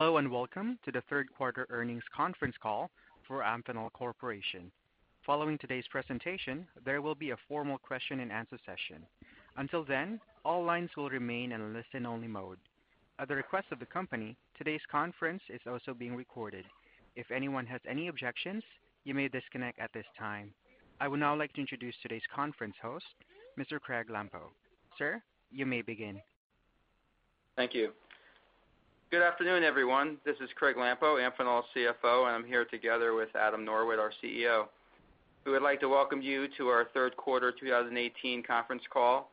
Hello and welcome to the third quarter earnings conference call for Amphenol Corporation. Following today's presentation, there will be a formal question-and-answer session. Until then, all lines will remain in a listen-only mode. At the request of the company, today's conference is also being recorded. If anyone has any objections, you may disconnect at this time. I would now like to introduce today's conference host, Mr. Craig Lampo. Sir, you may begin. Thank you. Good afternoon, everyone. This is Craig Lampo, Amphenol's CFO, and I'm here together with Adam Norwitt, our CEO. We would like to welcome you to our Q3 2018 conference call.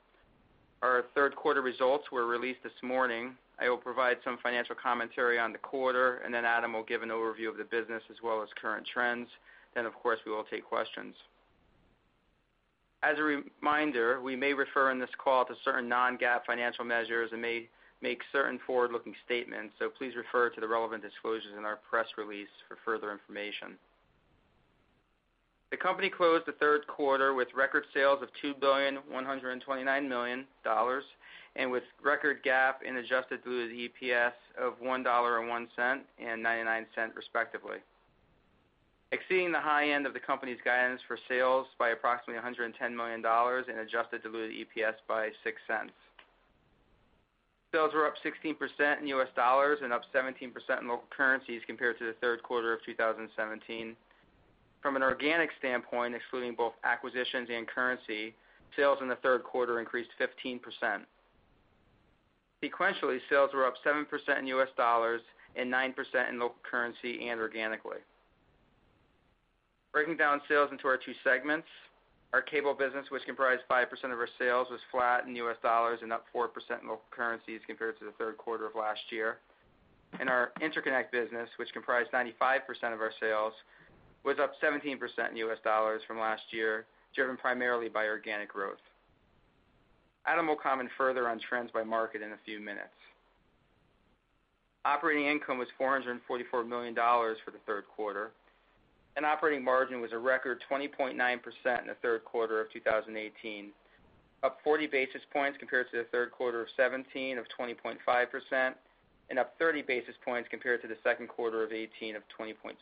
Our third quarter results were released this morning. I will provide some financial commentary on the quarter, and then Adam will give an overview of the business as well as current trends. Then, of course, we will take questions. As a reminder, we may refer in this call to certain non-GAAP financial measures and may make certain forward-looking statements, so please refer to the relevant disclosures in our press release for further information. The company closed the third quarter with record sales of $2,129 million and with record GAAP and Adjusted Diluted EPS of $1.01 and $0.99 respectively, exceeding the high end of the company's guidance for sales by approximately $110 million and Adjusted Diluted EPS by $0.06. Sales were up 16% in U.S. dollars and up 17% in local currencies compared to Q3 2017. From an organic standpoint, excluding both acquisitions and currency, sales in the third quarter increased 15%. Sequentially, sales were up 7% in U.S. dollars and 9% in local currency and organically. Breaking down sales into our two segments, our cable business, which comprised 5% of our sales, was flat in U.S. dollars and up 4% in local currencies compared to Q3 last year. Our interconnect business, which comprised 95% of our sales, was up 17% in U.S. dollars from last year, driven primarily by organic growth. Adam will comment further on trends by market in a few minutes. Operating income was $444 million for the third quarter. Operating margin was a record 20.9% in the third quarter of 2018, up 40 basis points compared to Q3 2017 of 20.5% and up 30 basis points compared to the second quarter of 2018 of 20.6%.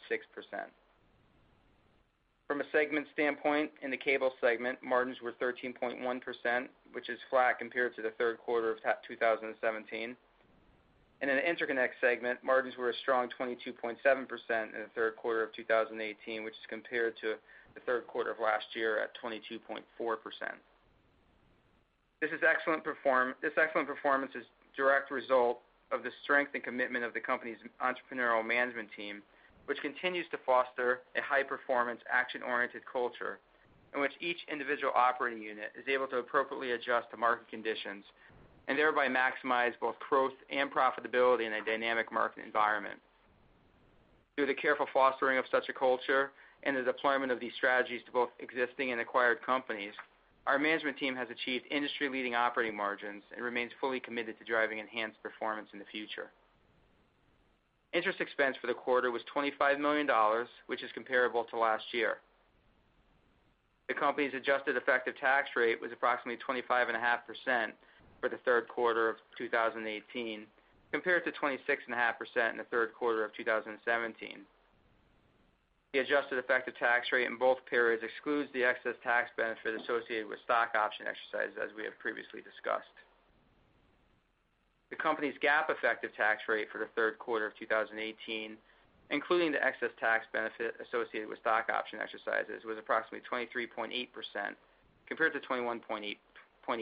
From a segment standpoint, in the cable segment, margins were 13.1%, which is flat compared to the third quarter of 2017. In the interconnect segment, margins were a strong 22.7% in Q3 2018, which is compared to the third quarter of last year at 22.4%. This excellent performance is a direct result of the strength and commitment of the company's entrepreneurial management team, which continues to foster a high-performance, action-oriented culture in which each individual operating unit is able to appropriately adjust to market conditions and thereby maximize both growth and profitability in a dynamic market environment. Through the careful fostering of such a culture and the deployment of these strategies to both existing and acquired companies, our management team has achieved industry-leading operating margins and remains fully committed to driving enhanced performance in the future. Interest expense for the quarter was $25 million, which is comparable to last year. The company's adjusted effective tax rate was approximately 25.5% for the third quarter of 2018 compared to 26.5% in the third quarter of 2017. The adjusted effective tax rate in both periods excludes the excess tax benefit associated with stock option exercises, as we have previously discussed. The company's GAAP effective tax rate for the third quarter of 2018, including the excess tax benefit associated with stock option exercises, was approximately 23.8% compared to 21.8%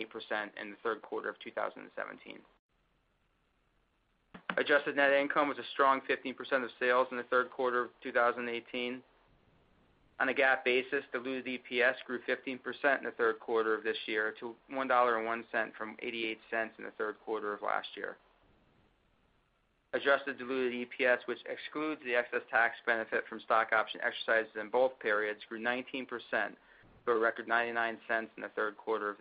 in the third quarter of 2017. Adjusted net income was a strong 15% of sales in the third quarter of 2018. On a GAAP basis, diluted EPS grew 15% in the third quarter of this year to $1.01 from $0.88 in the third quarter of last year. Adjusted diluted EPS, which excludes the excess tax benefit from stock option exercises in both periods, grew 19% to a record $0.99 in the third quarter of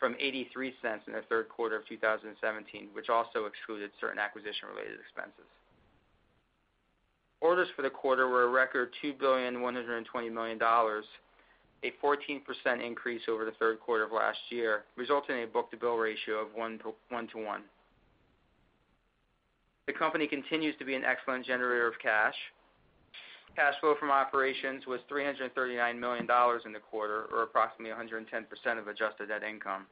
this year from $0.83 in the third quarter of 2017, which also excluded certain acquisition-related expenses. Orders for the quarter were a record $2,120 million, a 14% increase over the third quarter of last year, resulting in a book-to-bill ratio of 1:1. The company continues to be an excellent generator of cash. Cash flow from operations was $339 million in the quarter, or approximately 110% of adjusted net income.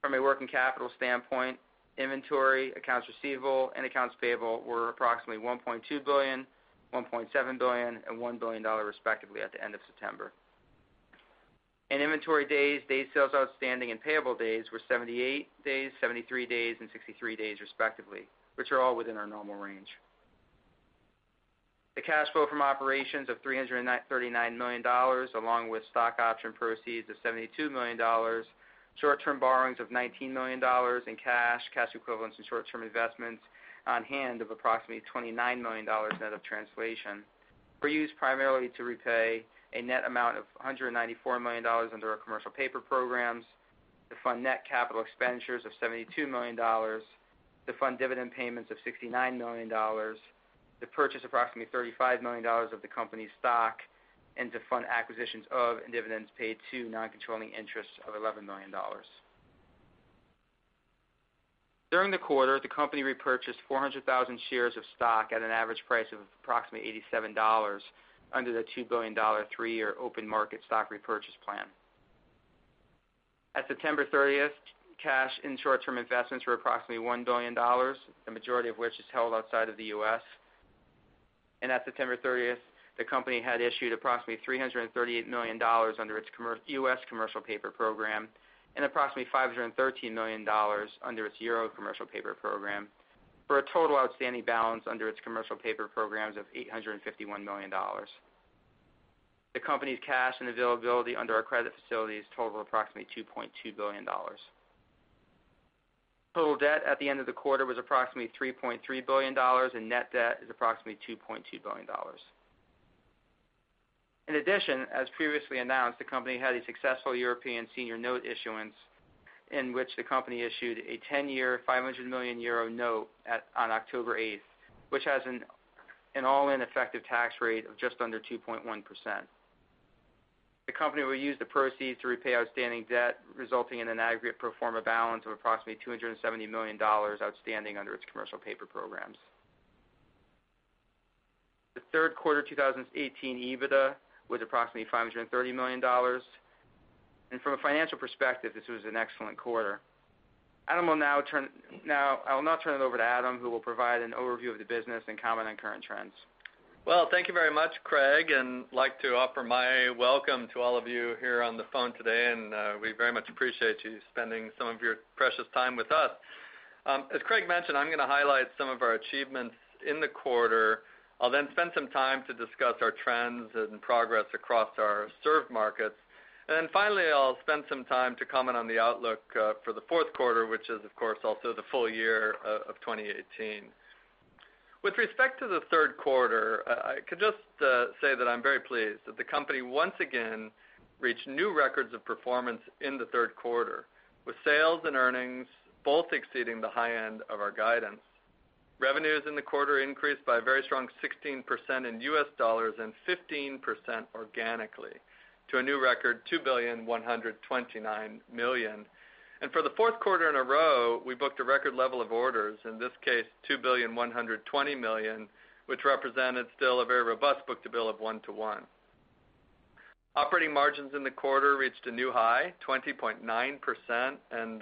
From a working capital standpoint, inventory, accounts receivable, and accounts payable were approximately $1.2 billion, $1.7 billion, and $1 billion, respectively, at the end of September. In inventory days, days sales outstanding and payable days were 78 days, 73 days, and 63 days, respectively, which are all within our normal range. The cash flow from operations of $339 million, along with stock option proceeds of $72 million, short-term borrowings of $19 million, and cash, cash equivalents, and short-term investments on hand of approximately $29 million net of translation, were used primarily to repay a net amount of $194 million under our commercial paper programs, to fund net capital expenditures of $72 million, to fund dividend payments of $69 million, to purchase approximately $35 million of the company's stock, and to fund acquisitions of and dividends paid to non-controlling interest of $11 million. During the quarter, the company repurchased 400,000 shares of stock at an average price of approximately $87 under the $2 billion three-year open market stock repurchase plan. At September 30th, cash and short-term investments were approximately $1 billion, the majority of which is held outside of the U.S. At September 30th, the company had issued approximately $338 million under its U.S. commercial paper program and approximately $513 million under its Euro commercial paper program, for a total outstanding balance under its commercial paper programs of $851 million. The company's cash and availability under our credit facilities totaled approximately $2.2 billion. Total debt at the end of the quarter was approximately $3.3 billion, and net debt is approximately $2.2 billion. In addition, as previously announced, the company had a successful European senior note issuance in which the company issued a 10-year 500 million euro note on October 8th, which has an all-in effective tax rate of just under 2.1%. The company will use the proceeds to repay outstanding debt, resulting in an aggregate pro forma balance of approximately $270 million outstanding under its commercial paper programs. The Q3 2018 EBITDA was approximately $530 million. From a financial perspective, this was an excellent quarter. I will now turn it over to Adam, who will provide an overview of the business and comment on current trends. Well, thank you very much, Craig, and I'd like to offer my welcome to all of you here on the phone today, and we very much appreciate you spending some of your precious time with us. As Craig mentioned, I'm going to highlight some of our achievements in the quarter. I'll then spend some time to discuss our trends and progress across our served markets. And then finally, I'll spend some time to comment on the outlook for the fourth quarter, which is, of course, also the full year of 2018. With respect to the third quarter, I can just say that I'm very pleased that the company once again reached new records of performance in the third quarter, with sales and earnings both exceeding the high end of our guidance. Revenues in the quarter increased by a very strong 16% in U.S. dollars and 15% organically, to a new record $2,129 million. And for the fourth quarter in a row, we booked a record level of orders, in this case, $2,120 million, which represented still a very robust book-to-bill of 1:1. Operating margins in the quarter reached a new high, 20.9%, and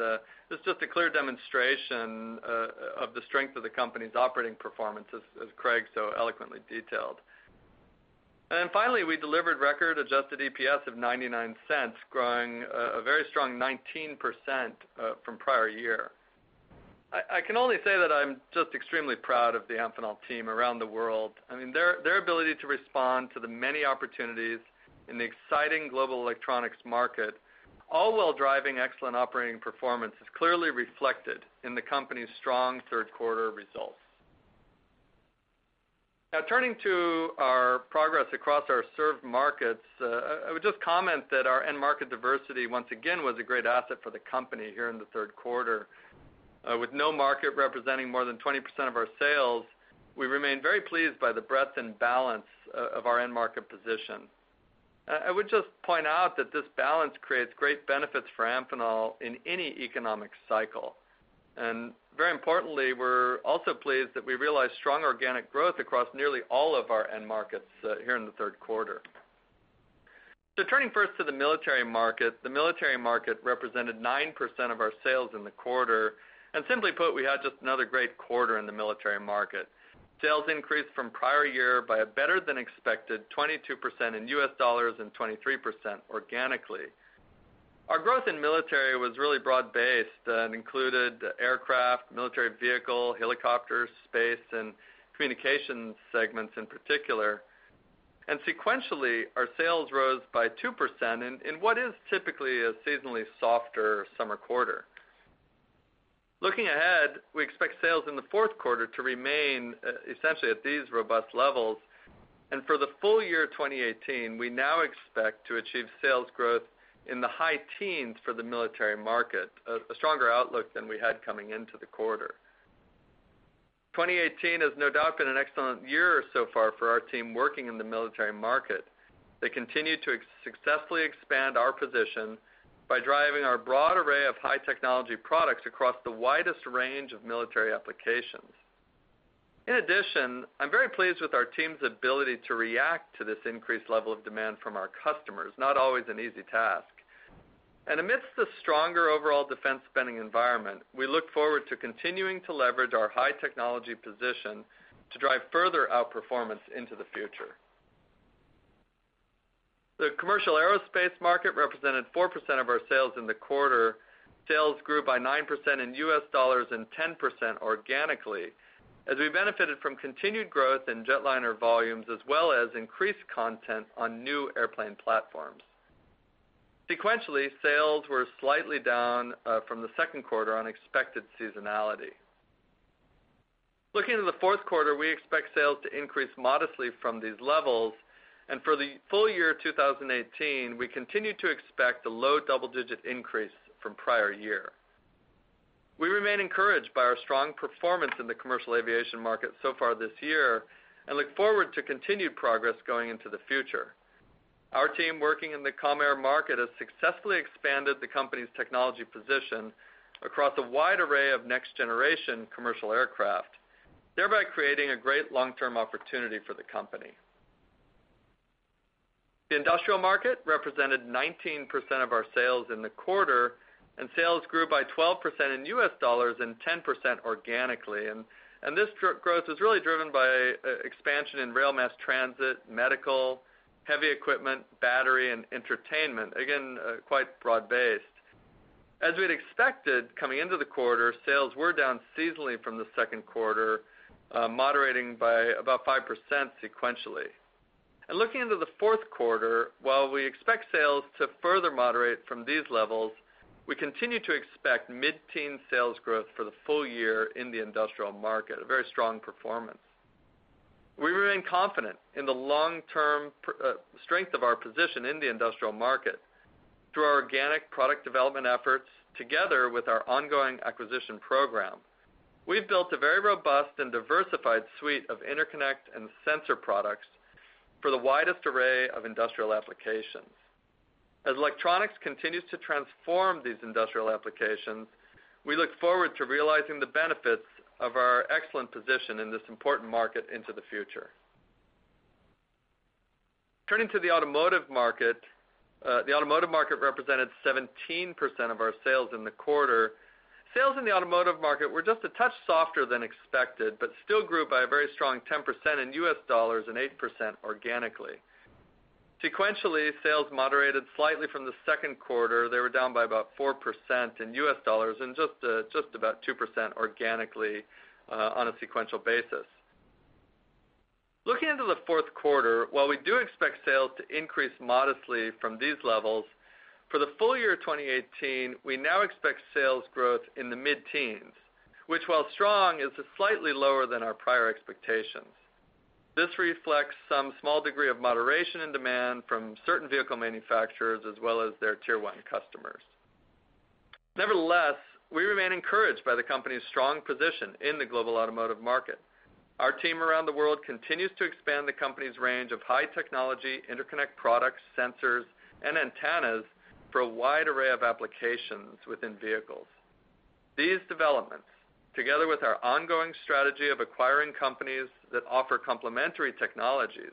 this is just a clear demonstration of the strength of the company's operating performance, as Craig so eloquently detailed. And then finally, we delivered record adjusted EPS of $0.99, growing a very strong 19% from prior year. I can only say that I'm just extremely proud of the Amphenol team around the world. I mean, their ability to respond to the many opportunities in the exciting global electronics market, all while driving excellent operating performance, is clearly reflected in the company's strong third quarter results. Now, turning to our progress across our served markets, I would just comment that our end market diversity, once again, was a great asset for the company here in the third quarter. With no market representing more than 20% of our sales, we remain very pleased by the breadth and balance of our end market position. I would just point out that this balance creates great benefits for Amphenol in any economic cycle. And very importantly, we're also pleased that we realized strong organic growth across nearly all of our end markets here in the third quarter. So turning first to the military market, the military market represented 9% of our sales in the quarter. And simply put, we had just another great quarter in the military market. Sales increased from prior year by a better-than-expected 22% in U.S. dollars and 23% organically. Our growth in military was really broad-based and included aircraft, military vehicle, helicopters, space, and communications segments in particular. Sequentially, our sales rose by 2% in what is typically a seasonally softer summer quarter. Looking ahead, we expect sales in the fourth quarter to remain essentially at these robust levels. For the full year 2018, we now expect to achieve sales growth in the high teens for the military market, a stronger outlook than we had coming into the quarter. 2018 has no doubt been an excellent year so far for our team working in the military market. They continue to successfully expand our position by driving our broad array of high-technology products across the widest range of military applications. In addition, I'm very pleased with our team's ability to react to this increased level of demand from our customers, not always an easy task. Amidst the stronger overall defense spending environment, we look forward to continuing to leverage our high-technology position to drive further outperformance into the future. The commercial aerospace market represented 4% of our sales in the quarter. Sales grew by 9% in U.S. dollars and 10% organically, as we benefited from continued growth in jetliner volumes as well as increased content on new airplane platforms. Sequentially, sales were slightly down from the second quarter on expected seasonality. Looking to the fourth quarter, we expect sales to increase modestly from these levels. For the full year 2018, we continue to expect a low double-digit increase from prior year. We remain encouraged by our strong performance in the commercial aviation market so far this year and look forward to continued progress going into the future. Our team working in the Commercial Air market has successfully expanded the company's technology position across a wide array of next-generation commercial aircraft, thereby creating a great long-term opportunity for the company. The industrial market represented 19% of our sales in the quarter, and sales grew by 12% in U.S. dollars and 10% organically. This growth was really driven by expansion in rail mass transit, medical, heavy equipment, battery, and entertainment, again, quite broad-based. As we'd expected, coming into the quarter, sales were down seasonally from the second quarter, moderating by about 5% sequentially. Looking into the fourth quarter, while we expect sales to further moderate from these levels, we continue to expect mid-teen sales growth for the full year in the industrial market, a very strong performance. We remain confident in the long-term strength of our position in the industrial market through our organic product development efforts, together with our ongoing acquisition program. We've built a very robust and diversified suite of interconnect and sensor products for the widest array of industrial applications. As electronics continues to transform these industrial applications, we look forward to realizing the benefits of our excellent position in this important market into the future. Turning to the automotive market, the automotive market represented 17% of our sales in the quarter. Sales in the automotive market were just a touch softer than expected, but still grew by a very strong 10% in U.S. dollars and 8% organically. Sequentially, sales moderated slightly from the second quarter. They were down by about 4% in U.S. dollars and just about 2% organically on a sequential basis. Looking into the fourth quarter, while we do expect sales to increase modestly from these levels, for the full year 2018, we now expect sales growth in the mid-teens, which, while strong, is slightly lower than our prior expectations. This reflects some small degree of moderation in demand from certain vehicle manufacturers as well as their Tier 1 customers. Nevertheless, we remain encouraged by the company's strong position in the global automotive market. Our team around the world continues to expand the company's range of high-technology interconnect products, sensors, and antennas for a wide array of applications within vehicles. These developments, together with our ongoing strategy of acquiring companies that offer complementary technologies,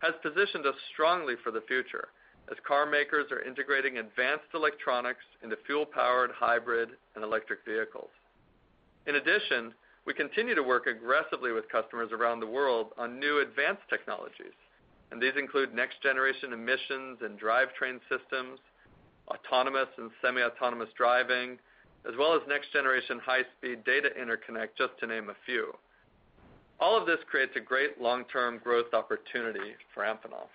have positioned us strongly for the future as car makers are integrating advanced electronics into fuel-powered hybrid and electric vehicles. In addition, we continue to work aggressively with customers around the world on new advanced technologies, and these include next-generation emissions and drivetrain systems, autonomous and semi-autonomous driving, as well as next-generation high-speed data interconnect, just to name a few. All of this creates a great long-term growth opportunity for Amphenol.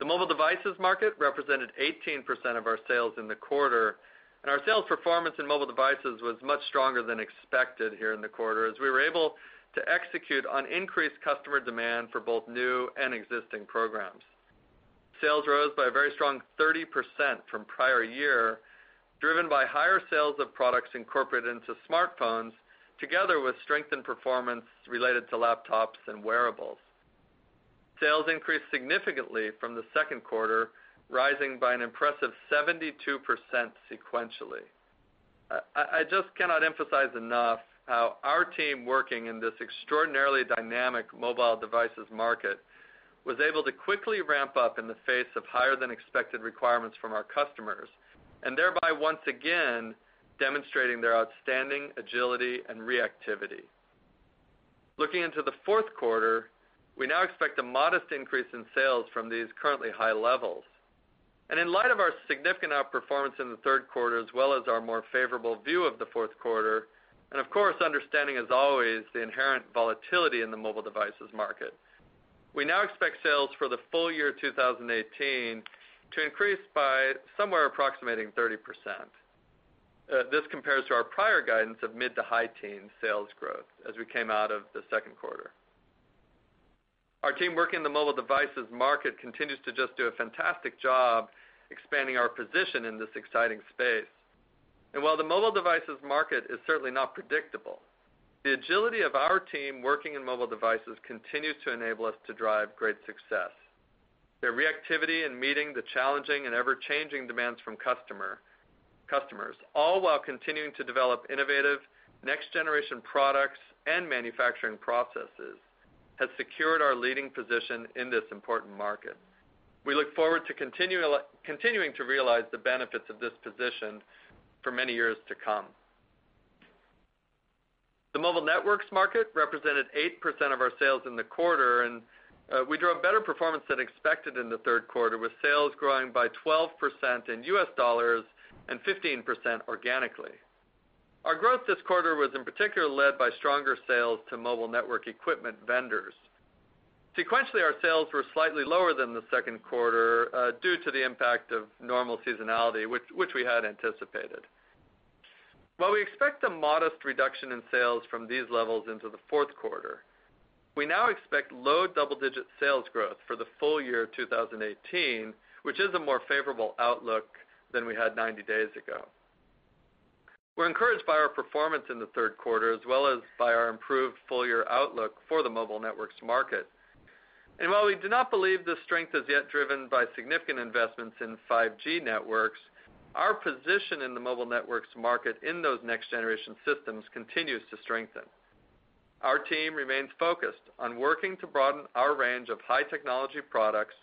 The mobile devices market represented 18% of our sales in the quarter, and our sales performance in mobile devices was much stronger than expected here in the quarter as we were able to execute on increased customer demand for both new and existing programs. Sales rose by a very strong 30% from prior year, driven by higher sales of products incorporated into smartphones, together with strengthened performance related to laptops and wearables. Sales increased significantly from the second quarter, rising by an impressive 72% sequentially. I just cannot emphasize enough how our team working in this extraordinarily dynamic mobile devices market was able to quickly ramp up in the face of higher-than-expected requirements from our customers, and thereby once again demonstrating their outstanding agility and reactivity. Looking into the fourth quarter, we now expect a modest increase in sales from these currently high levels. In light of our significant outperformance in the third quarter, as well as our more favorable view of the fourth quarter, and of course, understanding as always the inherent volatility in the mobile devices market, we now expect sales for the full year 2018 to increase by somewhere approximating 30%. This compares to our prior guidance of mid to high-teens sales growth as we came out of the second quarter. Our team working in the mobile devices market continues to just do a fantastic job expanding our position in this exciting space. And while the mobile devices market is certainly not predictable, the agility of our team working in mobile devices continues to enable us to drive great success. Their reactivity in meeting the challenging and ever-changing demands from customers, all while continuing to develop innovative next-generation products and manufacturing processes, has secured our leading position in this important market. We look forward to continuing to realize the benefits of this position for many years to come. The mobile networks market represented 8% of our sales in the quarter, and we drove better performance than expected in the third quarter, with sales growing by 12% in U.S. dollars and 15% organically. Our growth this quarter was in particular led by stronger sales to mobile network equipment vendors. Sequentially, our sales were slightly lower than the second quarter due to the impact of normal seasonality, which we had anticipated. While we expect a modest reduction in sales from these levels into the fourth quarter, we now expect low double-digit sales growth for the full year 2018, which is a more favorable outlook than we had 90 days ago. We're encouraged by our performance in the third quarter, as well as by our improved full-year outlook for the mobile networks market. And while we do not believe this strength is yet driven by significant investments in 5G networks, our position in the mobile networks market in those next-generation systems continues to strengthen. Our team remains focused on working to broaden our range of high-technology products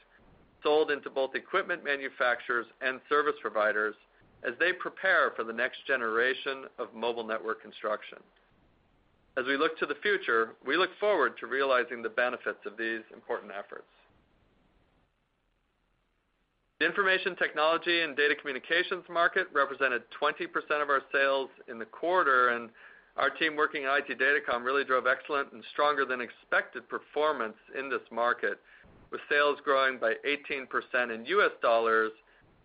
sold into both equipment manufacturers and service providers as they prepare for the next generation of mobile network construction. As we look to the future, we look forward to realizing the benefits of these important efforts. The Information Technology and Data Communications market represented 20% of our sales in the quarter, and our team working at IT Datacom really drove excellent and stronger-than-expected performance in this market, with sales growing by 18% in U.S. dollars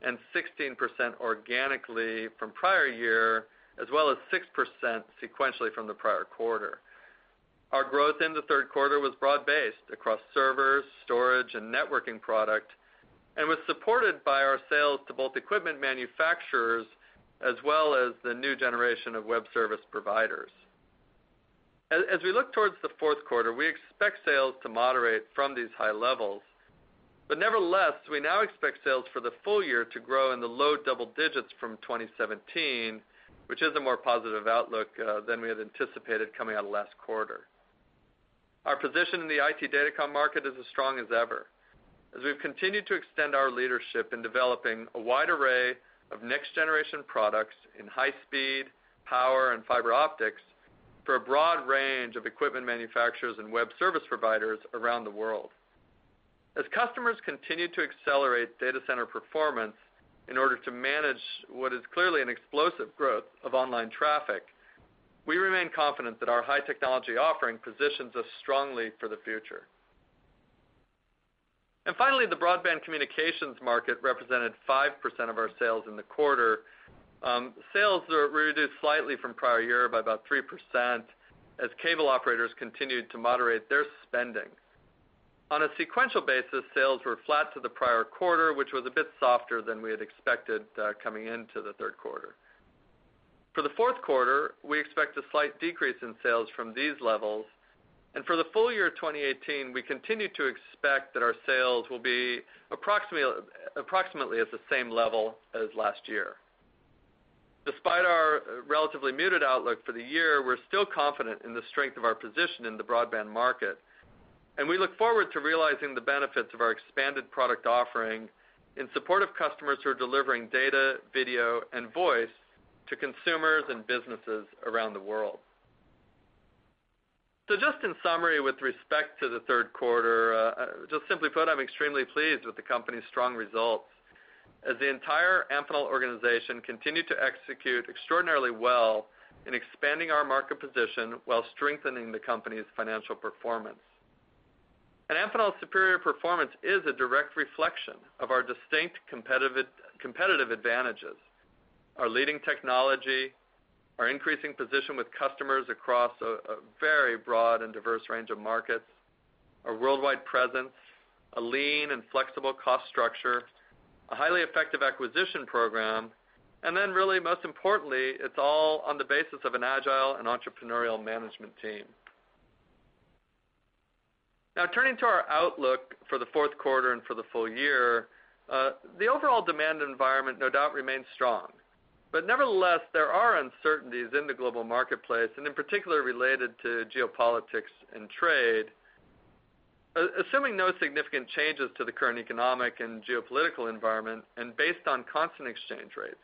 and 16% organically from prior year, as well as 6% sequentially from the prior quarter. Our growth in the third quarter was broad-based across servers, storage, and networking product, and was supported by our sales to both equipment manufacturers as well as the new generation of web service providers. As we look towards the fourth quarter, we expect sales to moderate from these high levels. Nevertheless, we now expect sales for the full year to grow in the low double digits from 2017, which is a more positive outlook than we had anticipated coming out of last quarter. Our position in the IT Datacom market is as strong as ever, as we've continued to extend our leadership in developing a wide array of next-generation products in high-speed power and fiber optics for a broad range of equipment manufacturers and web service providers around the world. As customers continue to accelerate data center performance in order to manage what is clearly an explosive growth of online traffic, we remain confident that our high-technology offering positions us strongly for the future. Finally, the broadband communications market represented 5% of our sales in the quarter. Sales were reduced slightly from prior year by about 3% as cable operators continued to moderate their spending. On a sequential basis, sales were flat to the prior quarter, which was a bit softer than we had expected coming into the third quarter. For the fourth quarter, we expect a slight decrease in sales from these levels. For the full year 2018, we continue to expect that our sales will be approximately at the same level as last year. Despite our relatively muted outlook for the year, we're still confident in the strength of our position in the broadband market, and we look forward to realizing the benefits of our expanded product offering in support of customers who are delivering data, video, and voice to consumers and businesses around the world. So just in summary with respect to the third quarter, just simply put, I'm extremely pleased with the company's strong results as the entire Amphenol organization continued to execute extraordinarily well in expanding our market position while strengthening the company's financial performance. And Amphenol's superior performance is a direct reflection of our distinct competitive advantages: our leading technology, our increasing position with customers across a very broad and diverse range of markets, our worldwide presence, a lean and flexible cost structure, a highly effective acquisition program, and then really, most importantly, it's all on the basis of an agile and entrepreneurial management team. Now, turning to our outlook for the fourth quarter and for the full year, the overall demand environment no doubt remains strong. But nevertheless, there are uncertainties in the global marketplace, and in particular related to geopolitics and trade. Assuming no significant changes to the current economic and geopolitical environment, and based on constant exchange rates,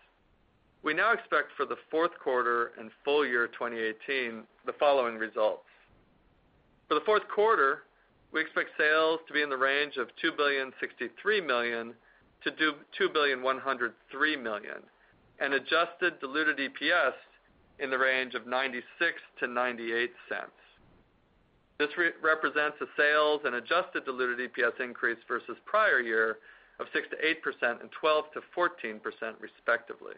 we now expect for the fourth quarter and full year 2018 the following results. For the fourth quarter, we expect sales to be in the range of $2.063 billion-$2.103 billion and Adjusted Diluted EPS in the range of $0.96-$0.98. This represents a sales and Adjusted Diluted EPS increase versus prior year of 6%-8% and 12%-14% respectively.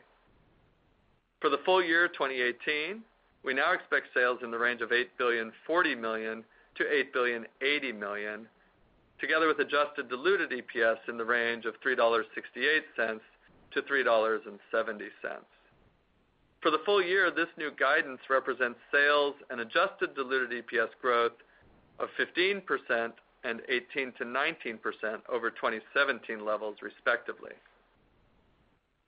For the full year 2018, we now expect sales in the range of $8.04 billion-$8.08 billion, together with Adjusted Diluted EPS in the range of $3.68-$3.70. For the full year, this new guidance represents sales and Adjusted Diluted EPS growth of 15% and 18%-19% over 2017 levels, respectively.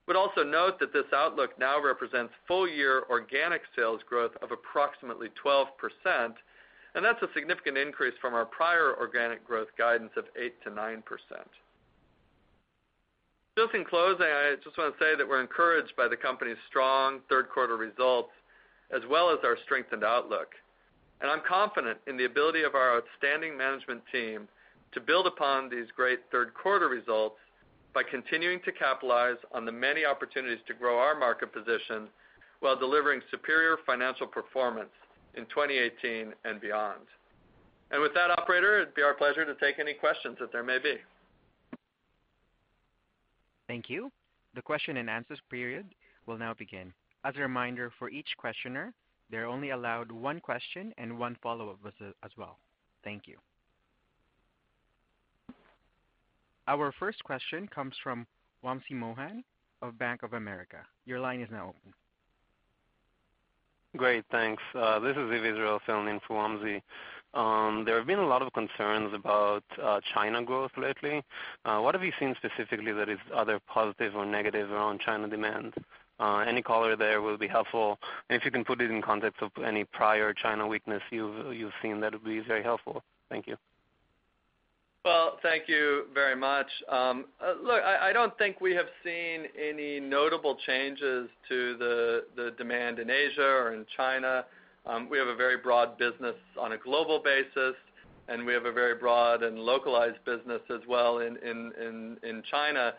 We'd also note that this outlook now represents full-year organic sales growth of approximately 12%, and that's a significant increase from our prior organic growth guidance of 8%-9%. Just in closing, I just want to say that we're encouraged by the company's strong third-quarter results as well as our strengthened outlook. I'm confident in the ability of our outstanding management team to build upon these great third-quarter results by continuing to capitalize on the many opportunities to grow our market position while delivering superior financial performance in 2018 and beyond. With that, Operator, it'd be our pleasure to take any questions that there may be. Thank you. The question and answers period will now begin. As a reminder, for each questioner, they're only allowed one question and one follow-up as well. Thank you. Our first question comes from Wamsi Mohan of Bank of America. Your line is now open. Great. Thanks. This is Yves calling in for Wamsi. There have been a lot of concerns about China growth lately. What have you seen specifically that is either positive or negative around China demand? Any color there will be helpful. And if you can put it in context of any prior China weakness you've seen, that would be very helpful. Thank you. Well, thank you very much. Look, I don't think we have seen any notable changes to the demand in Asia or in China. We have a very broad business on a global basis, and we have a very broad and localized business as well in China.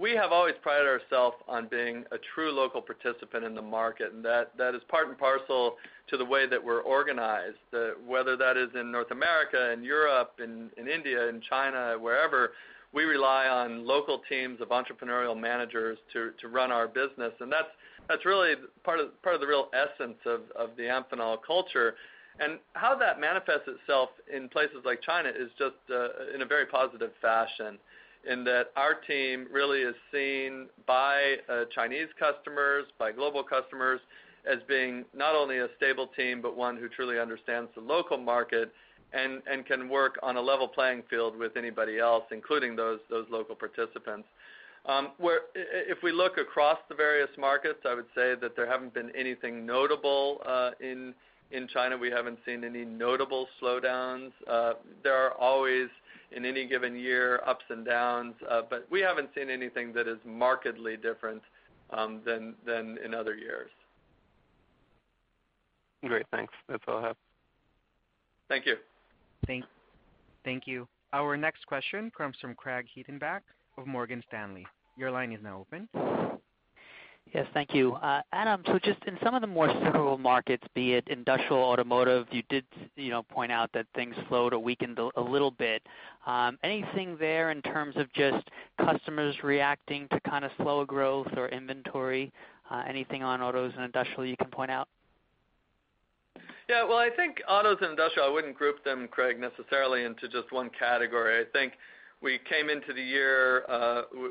We have always prided ourselves on being a true local participant in the market, and that is part and parcel to the way that we're organized. Whether that is in North America and Europe and India and China, wherever, we rely on local teams of entrepreneurial managers to run our business. And that's really part of the real essence of the Amphenol culture. How that manifests itself in places like China is just in a very positive fashion, in that our team really is seen by Chinese customers, by global customers, as being not only a stable team, but one who truly understands the local market and can work on a level playing field with anybody else, including those local participants. If we look across the various markets, I would say that there haven't been anything notable in China. We haven't seen any notable slowdowns. There are always, in any given year, ups and downs, but we haven't seen anything that is markedly different than in other years. Great. Thanks. That's all I have. Thank you. Thank you. Our next question comes from Craig Hettenbach of Morgan Stanley. Your line is now open. Yes. Thank you. Adam, so just in some of the more cyclical markets, be it industrial, automotive, you did point out that things slowed or weakened a little bit. Anything there in terms of just customers reacting to kind of slower growth or inventory? Anything on autos and industrial you can point out? Yeah. Well, I think autos and industrial, I wouldn't group them, Craig, necessarily into just one category. I think we came into the year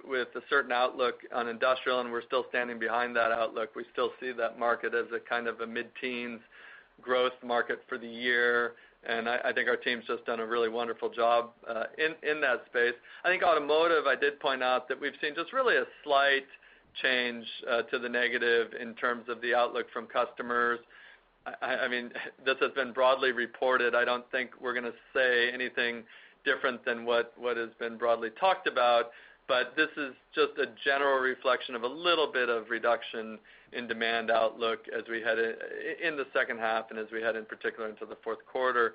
with a certain outlook on industrial, and we're still standing behind that outlook. We still see that market as a kind of a mid-teens growth market for the year. And I think our team's just done a really wonderful job in that space. I think automotive, I did point out that we've seen just really a slight change to the negative in terms of the outlook from customers. I mean, this has been broadly reported. I don't think we're going to say anything different than what has been broadly talked about, but this is just a general reflection of a little bit of reduction in demand outlook as we head in the second half and as we head in particular into the fourth quarter.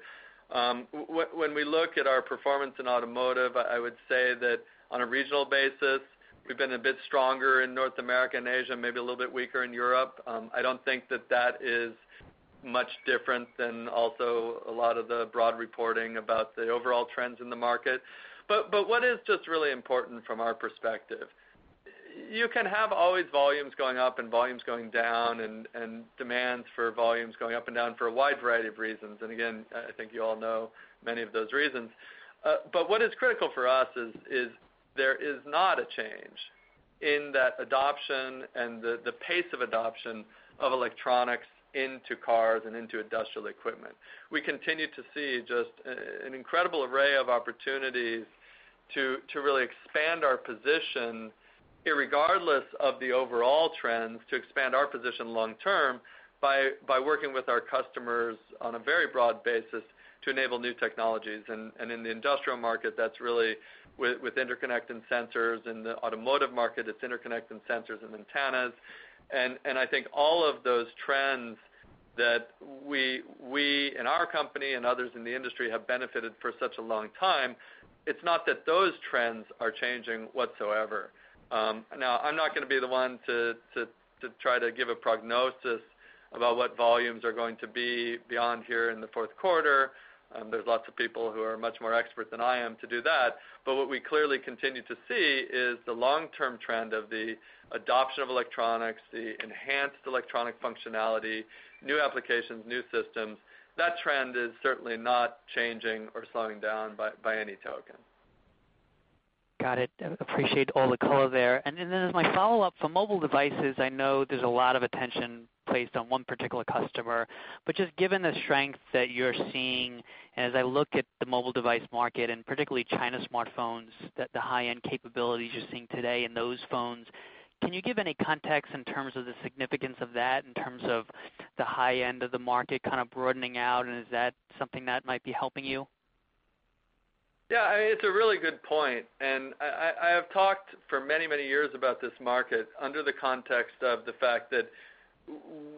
When we look at our performance in automotive, I would say that on a regional basis, we've been a bit stronger in North America and Asia, maybe a little bit weaker in Europe. I don't think that that is much different than also a lot of the broad reporting about the overall trends in the market. But what is just really important from our perspective? You can have always volumes going up and volumes going down and demands for volumes going up and down for a wide variety of reasons. And again, I think you all know many of those reasons. But what is critical for us is there is not a change in that adoption and the pace of adoption of electronics into cars and into industrial equipment. We continue to see just an incredible array of opportunities to really expand our position, irregardless of the overall trends, to expand our position long-term by working with our customers on a very broad basis to enable new technologies. And in the industrial market, that's really with interconnect and sensors. In the automotive market, it's interconnect and sensors and antennas. And I think all of those trends that we in our company and others in the industry have benefited for such a long time, it's not that those trends are changing whatsoever. Now, I'm not going to be the one to try to give a prognosis about what volumes are going to be beyond here in the fourth quarter. There's lots of people who are much more expert than I am to do that. But what we clearly continue to see is the long-term trend of the adoption of electronics, the enhanced electronic functionality, new applications, new systems. That trend is certainly not changing or slowing down by any token. Got it. Appreciate all the color there. And then as my follow-up for mobile devices, I know there's a lot of attention placed on one particular customer. But just given the strength that you're seeing, as I look at the mobile device market and particularly China smartphones, the high-end capabilities you're seeing today in those phones, can you give any context in terms of the significance of that, in terms of the high-end of the market kind of broadening out? And is that something that might be helping you? Yeah. I mean, it's a really good point. I have talked for many, many years about this market under the context of the fact that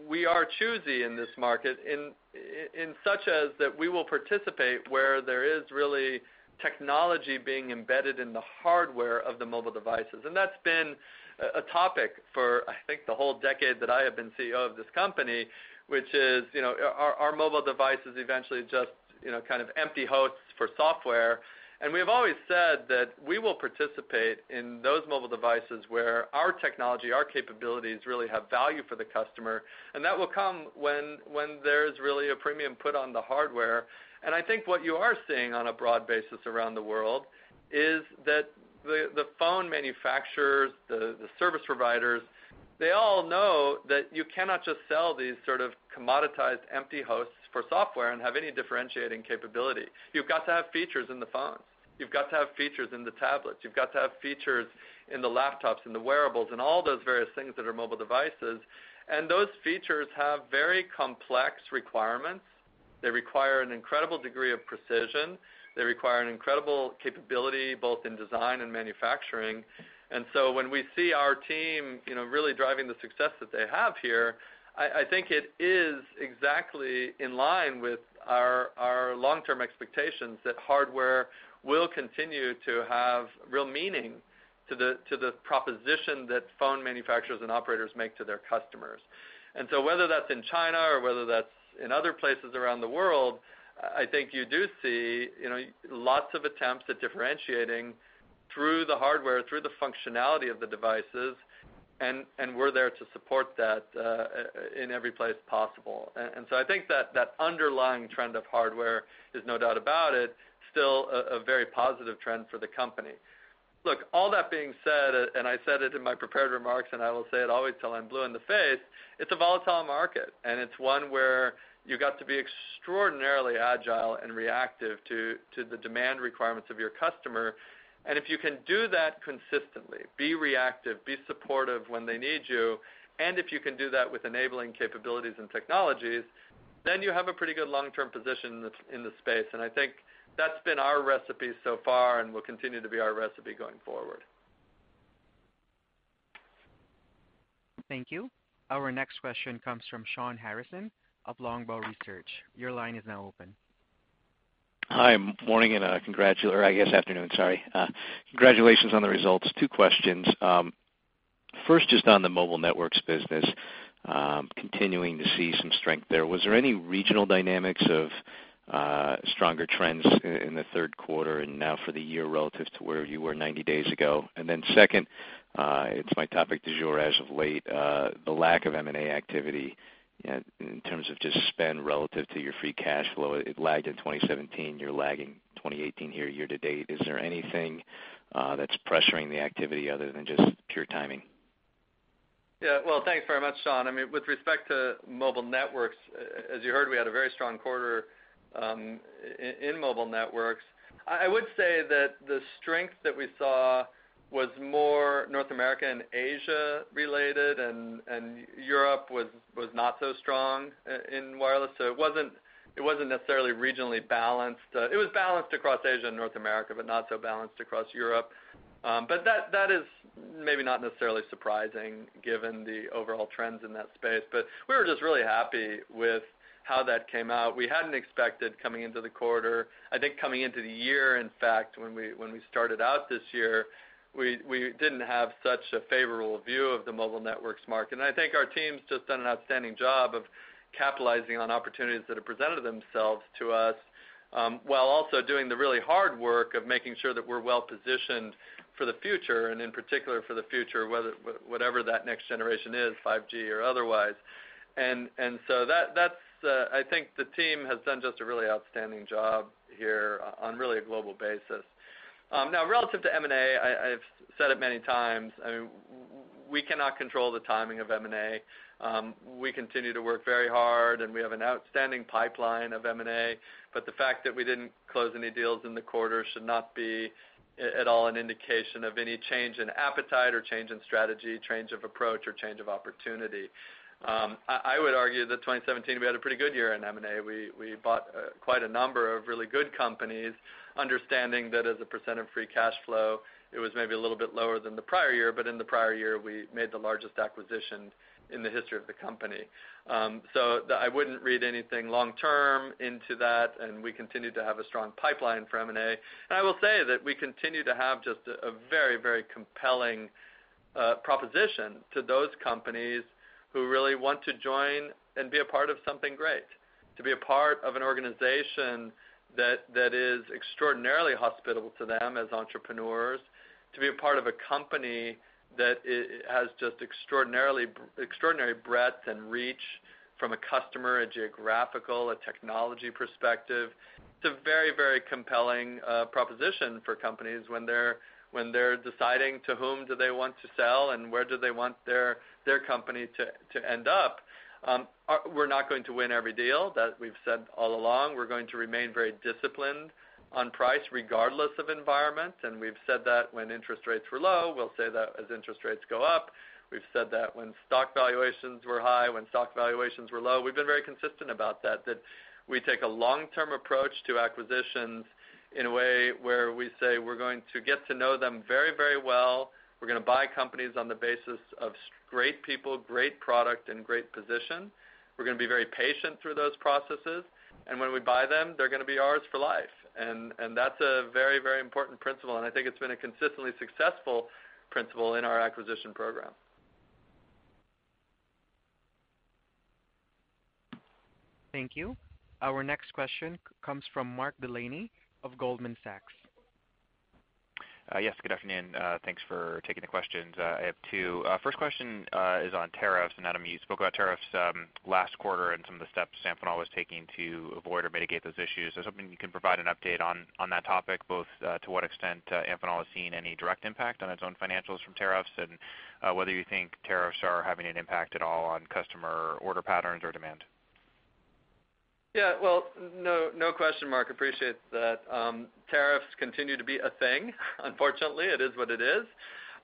we are choosy in this market, in such a sense that we will participate where there is really technology being embedded in the hardware of the mobile devices. That's been a topic for, I think, the whole decade that I have been CEO of this company, which is our mobile devices eventually just kind of empty hosts for software. We have always said that we will participate in those mobile devices where our technology, our capabilities really have value for the customer. That will come when there's really a premium put on the hardware. And I think what you are seeing on a broad basis around the world is that the phone manufacturers, the service providers, they all know that you cannot just sell these sort of commoditized empty hosts for software and have any differentiating capability. You've got to have features in the phones. You've got to have features in the tablets. You've got to have features in the laptops, in the wearables, in all those various things that are mobile devices. And those features have very complex requirements. They require an incredible degree of precision. They require an incredible capability both in design and manufacturing. And so when we see our team really driving the success that they have here, I think it is exactly in line with our long-term expectations that hardware will continue to have real meaning to the proposition that phone manufacturers and operators make to their customers. And so whether that's in China or whether that's in other places around the world, I think you do see lots of attempts at differentiating through the hardware, through the functionality of the devices. And we're there to support that in every place possible. And so I think that underlying trend of hardware is no doubt about it still a very positive trend for the company. Look, all that being said, and I said it in my prepared remarks, and I will say it always till I'm blue in the face, it's a volatile market. And it's one where you've got to be extraordinarily agile and reactive to the demand requirements of your customer. If you can do that consistently, be reactive, be supportive when they need you, and if you can do that with enabling capabilities and technologies, then you have a pretty good long-term position in the space. I think that's been our recipe so far and will continue to be our recipe going forward. Thank you. Our next question comes from Shawn Harrison of Longbow Research. Your line is now open. Hi. Good morning and good afternoon, sorry. Congratulations on the results. Two questions. First, just on the mobile networks business, continuing to see some strength there. Was there any regional dynamics of stronger trends in the third quarter and now for the year relative to where you were 90 days ago? And then second, it's my topic du jour as of late, the lack of M&A activity in terms of just spend relative to your free cash flow. It lagged in 2017. You're lagging 2018 here, year to date. Is there anything that's pressuring the activity other than just pure timing? Yeah. Well, thanks very much, Sean. I mean, with respect to mobile networks, as you heard, we had a very strong quarter in mobile networks. I would say that the strength that we saw was more North America and Asia related, and Europe was not so strong in wireless. So it wasn't necessarily regionally balanced. It was balanced across Asia and North America, but not so balanced across Europe. But that is maybe not necessarily surprising given the overall trends in that space. But we were just really happy with how that came out. We hadn't expected coming into the quarter, I think coming into the year, in fact, when we started out this year, we didn't have such a favorable view of the mobile networks market. And I think our team's just done an outstanding job of capitalizing on opportunities that have presented themselves to us while also doing the really hard work of making sure that we're well positioned for the future, and in particular for the future, whatever that next generation is, 5G or otherwise. And so I think the team has done just a really outstanding job here on really a global basis. Now, relative to M&A, I've said it many times, I mean, we cannot control the timing of M&A. We continue to work very hard, and we have an outstanding pipeline of M&A. But the fact that we didn't close any deals in the quarter should not be at all an indication of any change in appetite or change in strategy, change of approach, or change of opportunity. I would argue that 2017, we had a pretty good year in M&A. We bought quite a number of really good companies, understanding that as a percent of free cash flow, it was maybe a little bit lower than the prior year. But in the prior year, we made the largest acquisition in the history of the company. So I wouldn't read anything long-term into that. And we continue to have a strong pipeline for M&A. And I will say that we continue to have just a very, very compelling proposition to those companies who really want to join and be a part of something great, to be a part of an organization that is extraordinarily hospitable to them as entrepreneurs, to be a part of a company that has just extraordinary breadth and reach from a customer, a geographical, a technology perspective. It's a very, very compelling proposition for companies when they're deciding to whom do they want to sell and where do they want their company to end up. We're not going to win every deal that we've said all along. We're going to remain very disciplined on price regardless of environment. We've said that when interest rates were low. We'll say that as interest rates go up. We've said that when stock valuations were high, when stock valuations were low. We've been very consistent about that, that we take a long-term approach to acquisitions in a way where we say we're going to get to know them very, very well. We're going to buy companies on the basis of great people, great product, and great position. We're going to be very patient through those processes. When we buy them, they're going to be ours for life. That's a very, very important principle. I think it's been a consistently successful principle in our acquisition program. Thank you. Our next question comes from Mark Delaney of Goldman Sachs. Yes. Good afternoon. Thanks for taking the questions. I have two. First question is on tariffs. And Adam, you spoke about tariffs last quarter and some of the steps that Amphenol was taking to avoid or mitigate those issues. Is there something you can provide an update on that topic, both to what extent Amphenol has seen any direct impact on its own financials from tariffs and whether you think tariffs are having an impact at all on customer order patterns or demand? Yeah. Well, no question, Mark. Appreciate that. Tariffs continue to be a thing. Unfortunately, it is what it is.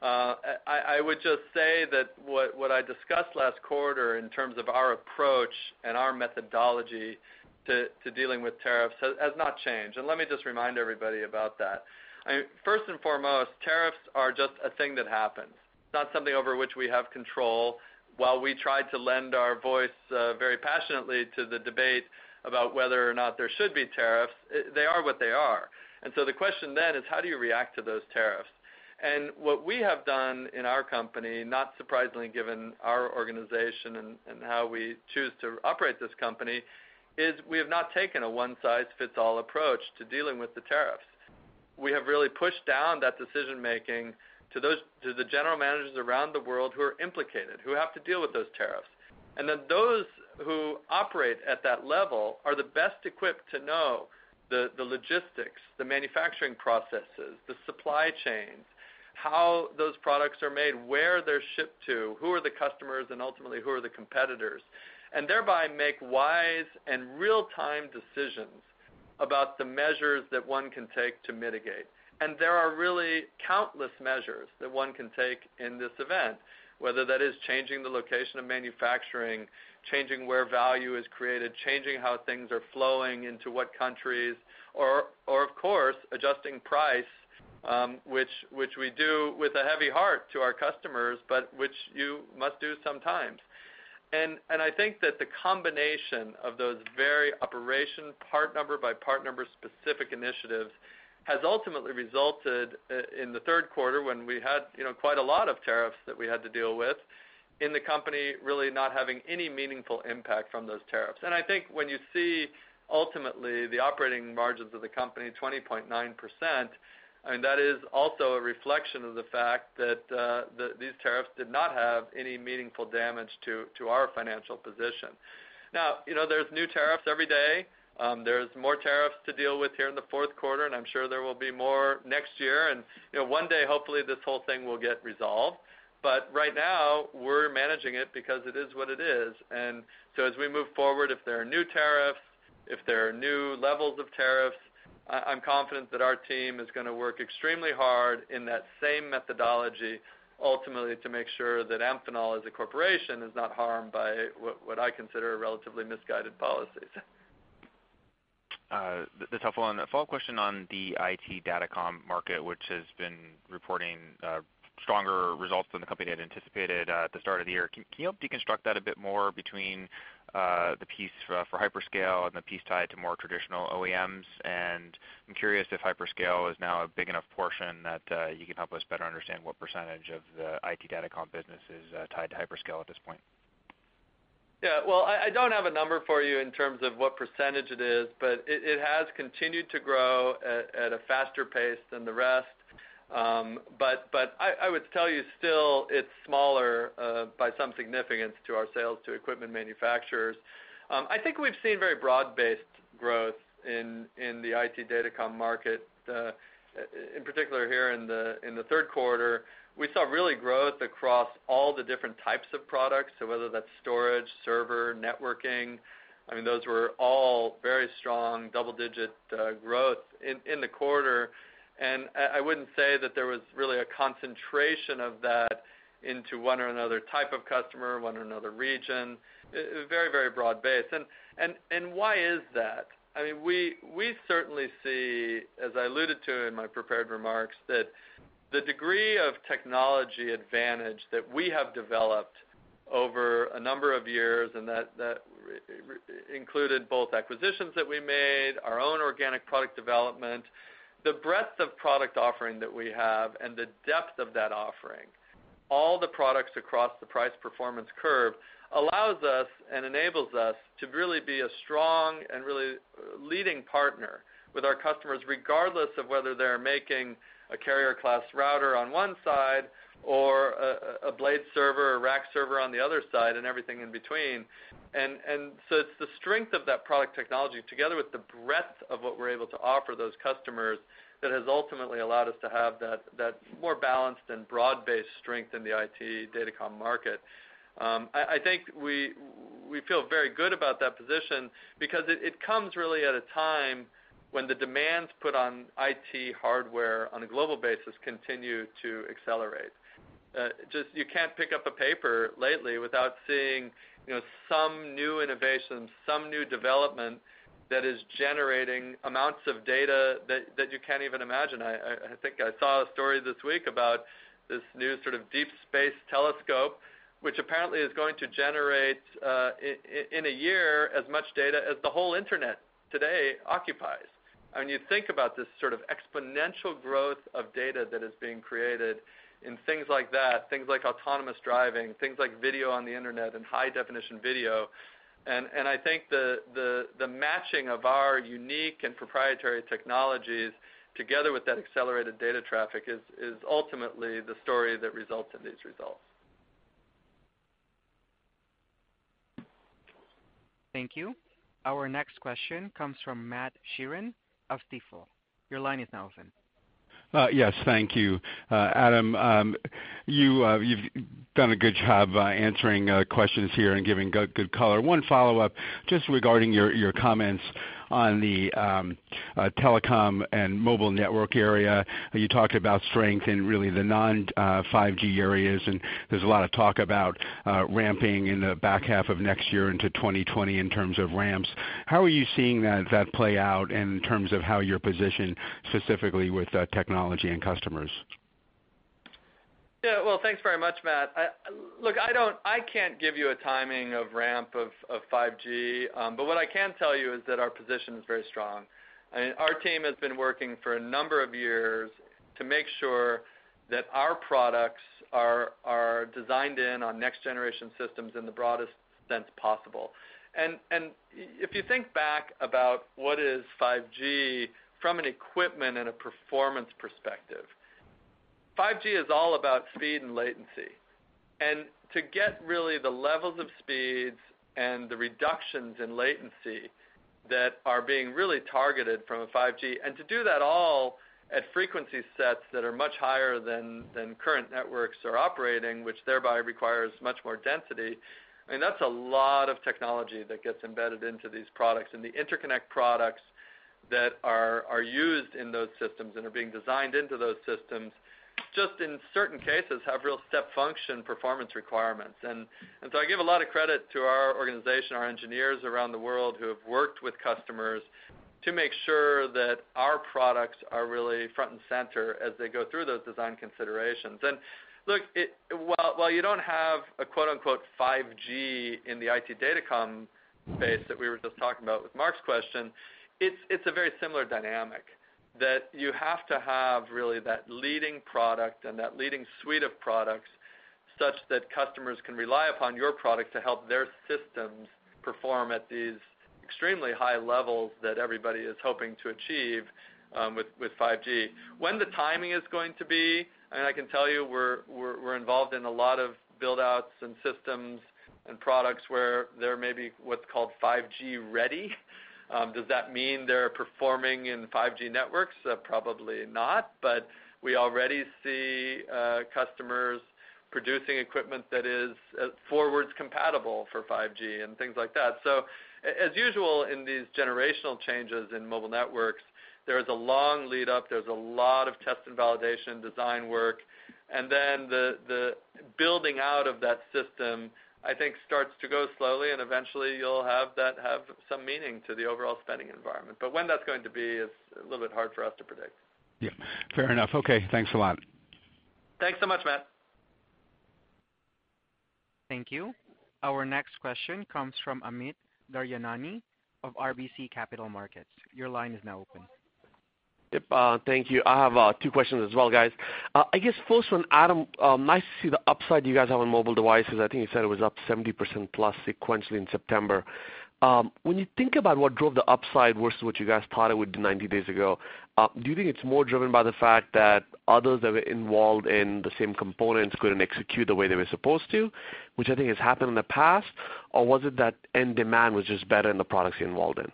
I would just say that what I discussed last quarter in terms of our approach and our methodology to dealing with tariffs has not changed. And let me just remind everybody about that. First and foremost, tariffs are just a thing that happens. It's not something over which we have control. While we tried to lend our voice very passionately to the debate about whether or not there should be tariffs, they are what they are. And so the question then is, how do you react to those tariffs? And what we have done in our company, not surprisingly given our organization and how we choose to operate this company, is we have not taken a one-size-fits-all approach to dealing with the tariffs. We have really pushed down that decision-making to the general managers around the world who are implicated, who have to deal with those tariffs. And then those who operate at that level are the best equipped to know the logistics, the manufacturing processes, the supply chains, how those products are made, where they're shipped to, who are the customers, and ultimately, who are the competitors, and thereby make wise and real-time decisions about the measures that one can take to mitigate. And there are really countless measures that one can take in this event, whether that is changing the location of manufacturing, changing where value is created, changing how things are flowing into what countries, or, of course, adjusting price, which we do with a heavy heart to our customers, but which you must do sometimes. I think that the combination of those very operation part number by part number specific initiatives has ultimately resulted in the third quarter, when we had quite a lot of tariffs that we had to deal with, in the company really not having any meaningful impact from those tariffs. And I think when you see ultimately the operating margins of the company 20.9%, I mean, that is also a reflection of the fact that these tariffs did not have any meaningful damage to our financial position. Now, there's new tariffs every day. There's more tariffs to deal with here in the fourth quarter. And I'm sure there will be more next year. And one day, hopefully, this whole thing will get resolved. But right now, we're managing it because it is what it is. As we move forward, if there are new tariffs, if there are new levels of tariffs, I'm confident that our team is going to work extremely hard in that same methodology, ultimately, to make sure that Amphenol, as a corporation, is not harmed by what I consider relatively misguided policies. This helpful one. A follow-up question on the IT Datacom market, which has been reporting stronger results than the company had anticipated at the start of the year. Can you help deconstruct that a bit more between the piece for hyperscale and the piece tied to more traditional OEMs? I'm curious if hyperscale is now a big enough portion that you can help us better understand what percentage of the IT Datacom business is tied to hyperscale at this point. Yeah. Well, I don't have a number for you in terms of what percentage it is, but it has continued to grow at a faster pace than the rest. But I would tell you still it's smaller by some significance to our sales to equipment manufacturers. I think we've seen very broad-based growth in the IT datacom market. In particular, here in the third quarter, we saw real growth across all the different types of products. So whether that's storage, server, networking, I mean, those were all very strong double-digit growth in the quarter. And I wouldn't say that there was really a concentration of that into one or another type of customer, one or another region. Very, very broad-based. And why is that? I mean, we certainly see, as I alluded to in my prepared remarks, that the degree of technology advantage that we have developed over a number of years, and that included both acquisitions that we made, our own organic product development, the breadth of product offering that we have, and the depth of that offering, all the products across the price performance curve allows us and enables us to really be a strong and really leading partner with our customers, regardless of whether they're making a carrier-class router on one side or a blade server or rack server on the other side and everything in between. And so it's the strength of that product technology together with the breadth of what we're able to offer those customers that has ultimately allowed us to have that more balanced and broad-based strength in the IT Datacom market. I think we feel very good about that position because it comes really at a time when the demands put on IT hardware on a global basis continue to accelerate. Just you can't pick up a paper lately without seeing some new innovation, some new development that is generating amounts of data that you can't even imagine. I think I saw a story this week about this new sort of deep space telescope, which apparently is going to generate in a year as much data as the whole internet today occupies. I mean, you think about this sort of exponential growth of data that is being created in things like that, things like autonomous driving, things like video on the internet and high-definition video. And I think the matching of our unique and proprietary technologies together with that accelerated data traffic is ultimately the story that results in these results. Thank you. Our next question comes from Matthew Sheerin of Stifel. Your line is now open. Yes. Thank you. Adam, you've done a good job answering questions here and giving good color. One follow-up just regarding your comments on the telecom and mobile network area. You talked about strength in really the non-5G areas. And there's a lot of talk about ramping in the back half of next year into 2020 in terms of ramps. How are you seeing that play out in terms of how you're positioned specifically with technology and customers? Yeah. Well, thanks very much, Matt. Look, I can't give you a timing of ramp of 5G. But what I can tell you is that our position is very strong. I mean, our team has been working for a number of years to make sure that our products are designed in on next-generation systems in the broadest sense possible. And if you think back about what is 5G from an equipment and a performance perspective, 5G is all about speed and latency. And to get really the levels of speeds and the reductions in latency that are being really targeted from a 5G, and to do that all at frequency sets that are much higher than current networks are operating, which thereby requires much more density, I mean, that's a lot of technology that gets embedded into these products. And the interconnect products that are used in those systems and are being designed into those systems just in certain cases have real step function performance requirements. And so I give a lot of credit to our organization, our engineers around the world who have worked with customers to make sure that our products are really front and center as they go through those design considerations. And look, while you don't have a "5G" in the IT Datacom space that we were just talking about with Mark's question, it's a very similar dynamic that you have to have really that leading product and that leading suite of products such that customers can rely upon your product to help their systems perform at these extremely high levels that everybody is hoping to achieve with 5G. When the timing is going to be, I mean, I can tell you we're involved in a lot of buildouts and systems and products where there may be what's called 5G ready. Does that mean they're performing in 5G networks? Probably not. But we already see customers producing equipment that is forward-compatible for 5G and things like that. So as usual in these generational changes in mobile networks, there is a long lead-up. There's a lot of test and validation design work. And then the building out of that system, I think, starts to go slowly. And eventually, you'll have that have some meaning to the overall spending environment. But when that's going to be is a little bit hard for us to predict. Yeah. Fair enough. Okay. Thanks a lot. Thanks so much, Matt. Thank you. Our next question comes from Amit Daryanani of RBC Capital Markets. Your line is now open. Yep. Thank you. I have two questions as well, guys. I guess first one, Adam, nice to see the upside you guys have on mobile devices. I think you said it was up 70%+ sequentially in September. When you think about what drove the upside versus what you guys thought it would be 90 days ago, do you think it's more driven by the fact that others that were involved in the same components couldn't execute the way they were supposed to, which I think has happened in the past? Or was it that end demand was just better in the products you're involved in?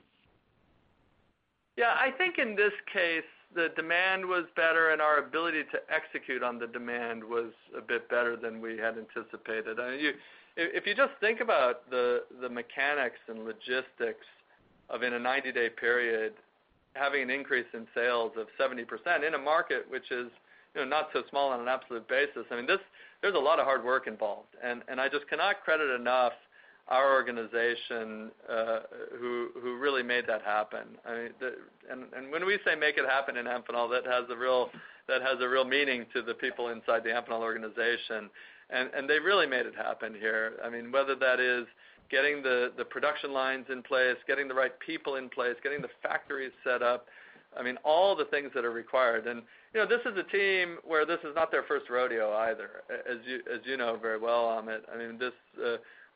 Yeah. I think in this case, the demand was better and our ability to execute on the demand was a bit better than we had anticipated. I mean, if you just think about the mechanics and logistics of in a 90-day period having an increase in sales of 70% in a market which is not so small on an absolute basis, I mean, there's a lot of hard work involved. And I just cannot credit enough our organization who really made that happen. I mean, and when we say make it happen in Amphenol, that has a real meaning to the people inside the Amphenol organization. And they really made it happen here. I mean, whether that is getting the production lines in place, getting the right people in place, getting the factories set up, I mean, all the things that are required. And this is a team where this is not their first rodeo either, as you know very well, Amit. I mean,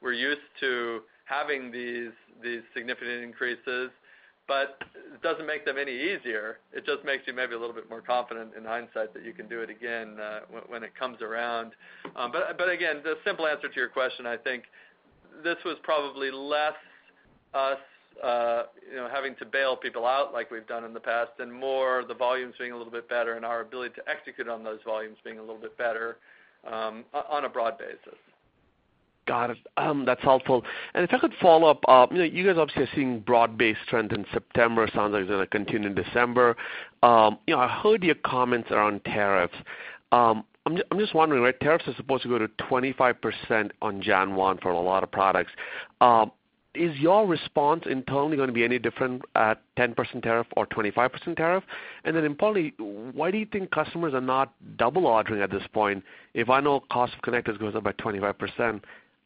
we're used to having these significant increases. But it doesn't make them any easier. It just makes you maybe a little bit more confident in hindsight that you can do it again when it comes around. But again, the simple answer to your question, I think this was probably less us having to bail people out like we've done in the past and more the volumes being a little bit better and our ability to execute on those volumes being a little bit better on a broad basis. Got it. That's helpful. And if I could follow up, you guys obviously are seeing broad-based trend in September. Sounds like it's going to continue in December. I heard your comments around tariffs. I'm just wondering, right, tariffs are supposed to go to 25% on 1 January for a lot of products. Is your response internally going to be any different at 10% tariff or 25% tariff? And then importantly, why do you think customers are not double-ordering at this point? If I know cost of connectors goes up by 25%,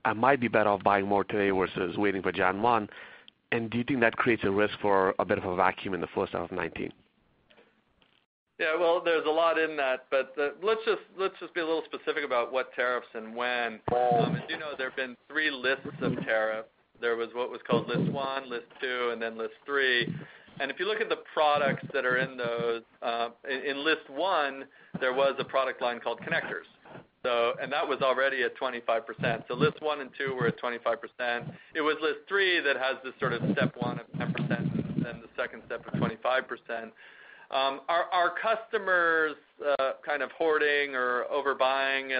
I might be better off buying more today versus waiting for 1 January. And do you think that creates a risk for a bit of a vacuum in the first half of 2019? Yeah. Well, there's a lot in that. But let's just be a little specific about what tariffs and when. As you know, there have been three lists of tariffs. There was what was called List 1, List 2, and then List 3. And if you look at the products that are in those, in List 1, there was a product line called connectors. And that was already at 25%. So List 1 and 2 were at 25%. It was List 3 that has this sort of step 1 of 10% and then the second step of 25%. Our customers kind of hoarding or overbuying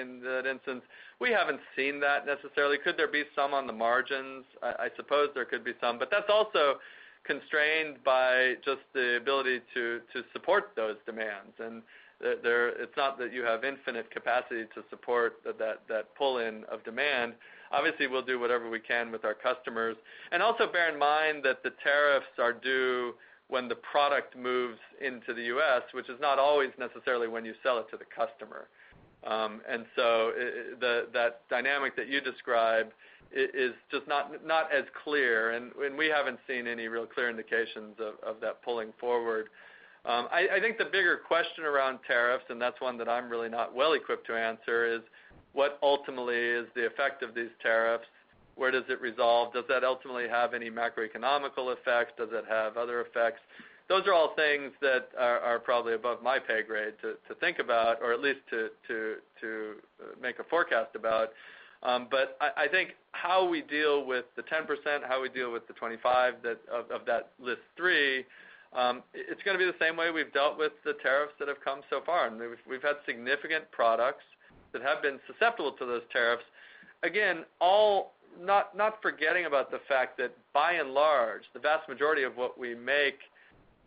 in that instance, we haven't seen that necessarily. Could there be some on the margins? I suppose there could be some. But that's also constrained by just the ability to support those demands. It's not that you have infinite capacity to support that pull-in of demand. Obviously, we'll do whatever we can with our customers. Also bear in mind that the tariffs are due when the product moves into the U.S., which is not always necessarily when you sell it to the customer. So that dynamic that you described is just not as clear. We haven't seen any real clear indications of that pulling forward. I think the bigger question around tariffs, and that's one that I'm really not well-equipped to answer, is what ultimately is the effect of these tariffs? Where does it resolve? Does that ultimately have any macroeconomic effects? Does it have other effects? Those are all things that are probably above my pay grade to think about or at least to make a forecast about. But I think how we deal with the 10%, how we deal with the 25% of that List 3, it's going to be the same way we've dealt with the tariffs that have come so far. And we've had significant products that have been susceptible to those tariffs. Again, not forgetting about the fact that by and large, the vast majority of what we make,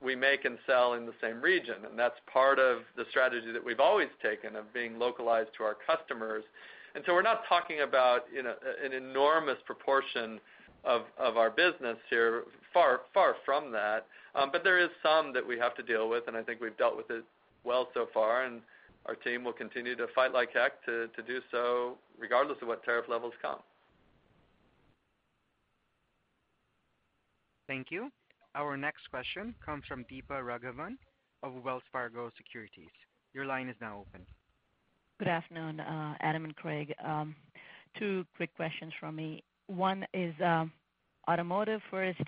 we make and sell in the same region. And that's part of the strategy that we've always taken of being localized to our customers. And so we're not talking about an enormous proportion of our business here, far from that. But there is some that we have to deal with. And I think we've dealt with it well so far. And our team will continue to fight like heck to do so regardless of what tariff levels come. Thank you. Our next question comes from Deepa Raghavan of Wells Fargo Securities. Your line is now open. Good afternoon, Adam and Craig. Two quick questions from me. One is automotive first.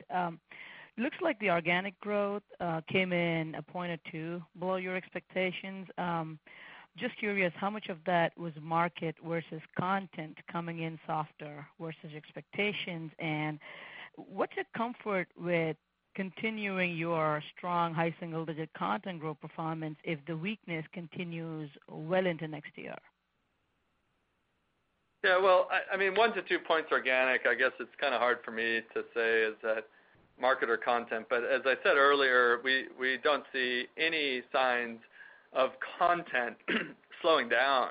Looks like the organic growth came in a point or two below your expectations. Just curious how much of that was market versus content coming in softer versus expectations? And what's your comfort with continuing your strong high single-digit content growth performance if the weakness continues well into next year? Yeah. Well, I mean, 1-2 points organic, I guess it's kind of hard for me to say is that market or content? But as I said earlier, we don't see any signs of content slowing down.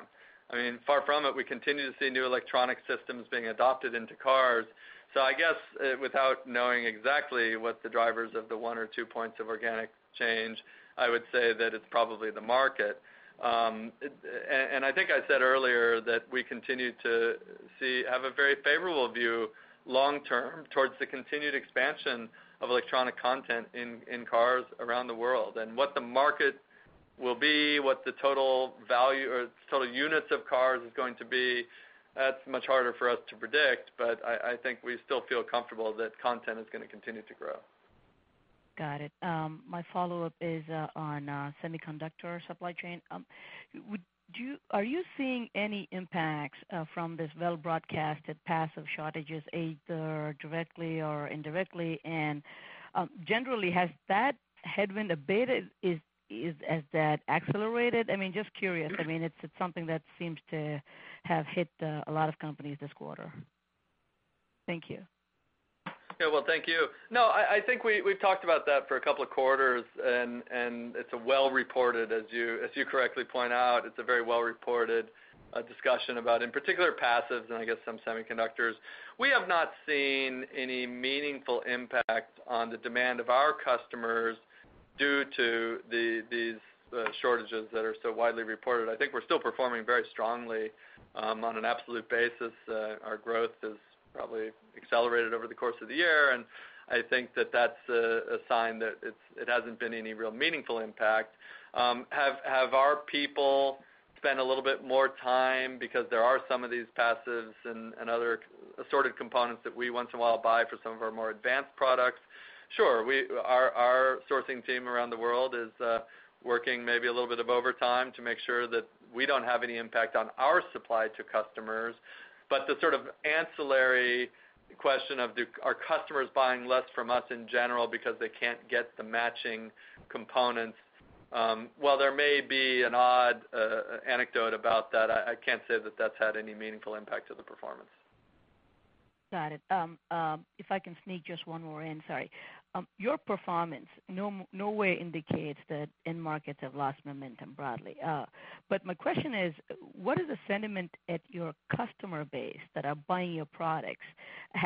I mean, far from it. We continue to see new electronic systems being adopted into cars. So I guess without knowing exactly what the drivers of the 1 or 2 points of organic change, I would say that it's probably the market. And I think I said earlier that we continue to have a very favorable view long-term towards the continued expansion of electronic content in cars around the world. And what the market will be, what the total value or total units of cars is going to be, that's much harder for us to predict. But I think we still feel comfortable that content is going to continue to grow. Got it. My follow-up is on semiconductor supply chain. Are you seeing any impacts from this well-broadcasted passive shortages, either directly or indirectly? And generally, has that headwind abated? Has that accelerated? I mean, just curious. I mean, it's something that seems to have hit a lot of companies this quarter. Thank you. Yeah. Well, thank you. No, I think we've talked about that for a couple of quarters. And it's well-reported. As you correctly point out, it's a very well-reported discussion about, in particular, passives and I guess some semiconductors. We have not seen any meaningful impact on the demand of our customers due to these shortages that are so widely reported. I think we're still performing very strongly on an absolute basis. Our growth has probably accelerated over the course of the year. And I think that that's a sign that it hasn't been any real meaningful impact. Have our people spent a little bit more time because there are some of these passives and other assorted components that we once in a while buy for some of our more advanced products? Sure. Our sourcing team around the world is working maybe a little bit of overtime to make sure that we don't have any impact on our supply to customers. But the sort of ancillary question of, are customers buying less from us in general because they can't get the matching components? Well, there may be an odd anecdote about that. I can't say that that's had any meaningful impact to the performance. Got it. If I can sneak just one more in, sorry. Your performance nowhere indicates that end markets have lost momentum broadly. But my question is, what is the sentiment at your customer base that are buying your products?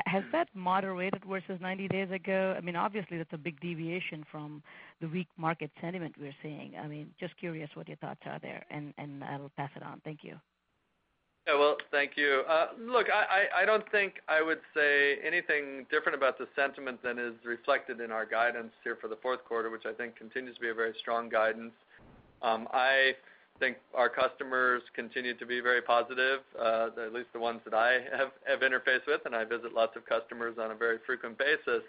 Has that moderated versus 90 days ago? I mean, obviously, that's a big deviation from the weak market sentiment we're seeing. I mean, just curious what your thoughts are there. And I'll pass it on. Thank you. Yeah. Well, thank you. Look, I don't think I would say anything different about the sentiment than is reflected in our guidance here for the fourth quarter, which I think continues to be a very strong guidance. I think our customers continue to be very positive, at least the ones that I have interfaced with. I visit lots of customers on a very frequent basis.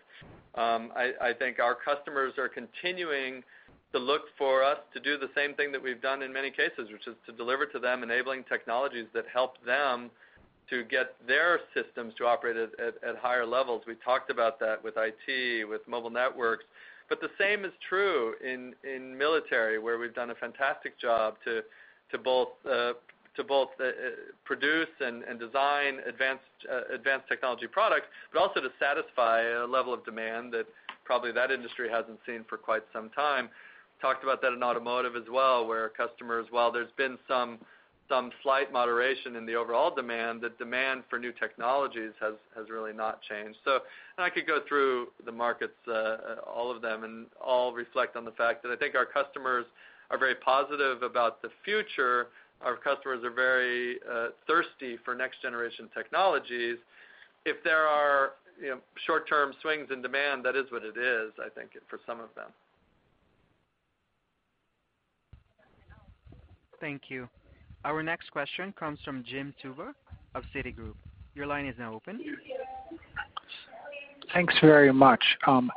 I think our customers are continuing to look for us to do the same thing that we've done in many cases, which is to deliver to them enabling technologies that help them to get their systems to operate at higher levels. We talked about that with IT, with mobile networks. But the same is true in military, where we've done a fantastic job to both produce and design advanced technology products, but also to satisfy a level of demand that probably that industry hasn't seen for quite some time. Talked about that in automotive as well, where customers, while there's been some slight moderation in the overall demand, the demand for new technologies has really not changed. So I could go through the markets, all of them, and all reflect on the fact that I think our customers are very positive about the future. Our customers are very thirsty for next-generation technologies. If there are short-term swings in demand, that is what it is, I think, for some of them. Thank you. Our next question comes from Jim Suva of Citigroup. Your line is now open. Thanks very much.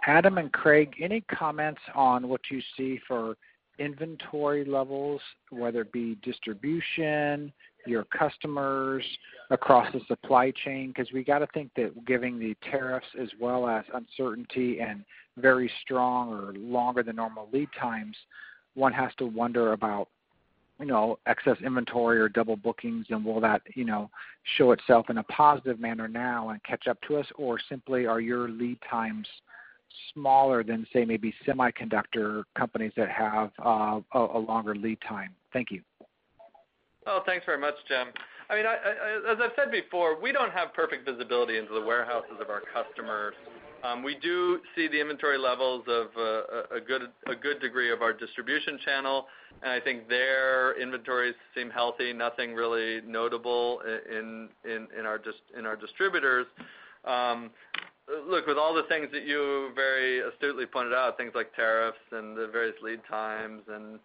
Adam and Craig, any comments on what you see for inventory levels, whether it be distribution, your customers across the supply chain? Because we got to think that given the tariffs as well as uncertainty and very strong or longer-than-normal lead times, one has to wonder about excess inventory or double bookings. Will that show itself in a positive manner now and catch up to us? Or simply, are your lead times smaller than, say, maybe semiconductor companies that have a longer lead time? Thank you. Oh, thanks very much, Jim. I mean, as I've said before, we don't have perfect visibility into the warehouses of our customers. We do see the inventory levels of a good degree of our distribution channel. I think their inventories seem healthy. Nothing really notable in our distributors. Look, with all the things that you very astutely pointed out, things like tariffs and the various lead times and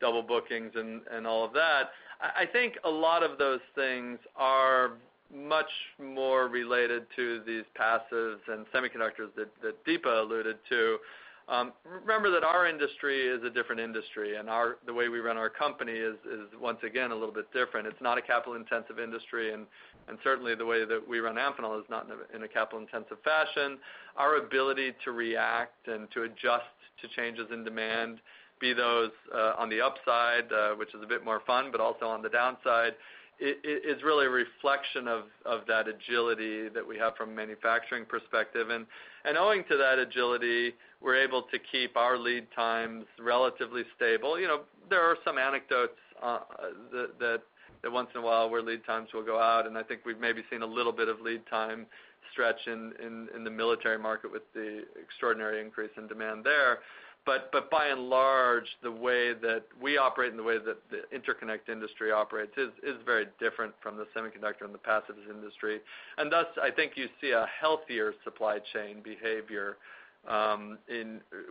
double bookings and all of that, I think a lot of those things are much more related to these passives and semiconductors that Deepa alluded to. Remember that our industry is a different industry. The way we run our company is, once again, a little bit different. It's not a capital-intensive industry. Certainly, the way that we run Amphenol is not in a capital-intensive fashion. Our ability to react and to adjust to changes in demand, be those on the upside, which is a bit more fun, but also on the downside, is really a reflection of that agility that we have from a manufacturing perspective. Owing to that agility, we're able to keep our lead times relatively stable. There are some anecdotes that once in a while, where lead times will go out. I think we've maybe seen a little bit of lead time stretch in the military market with the extraordinary increase in demand there. By and large, the way that we operate and the way that the interconnect industry operates is very different from the semiconductor and the passives industry. Thus, I think you see a healthier supply chain behavior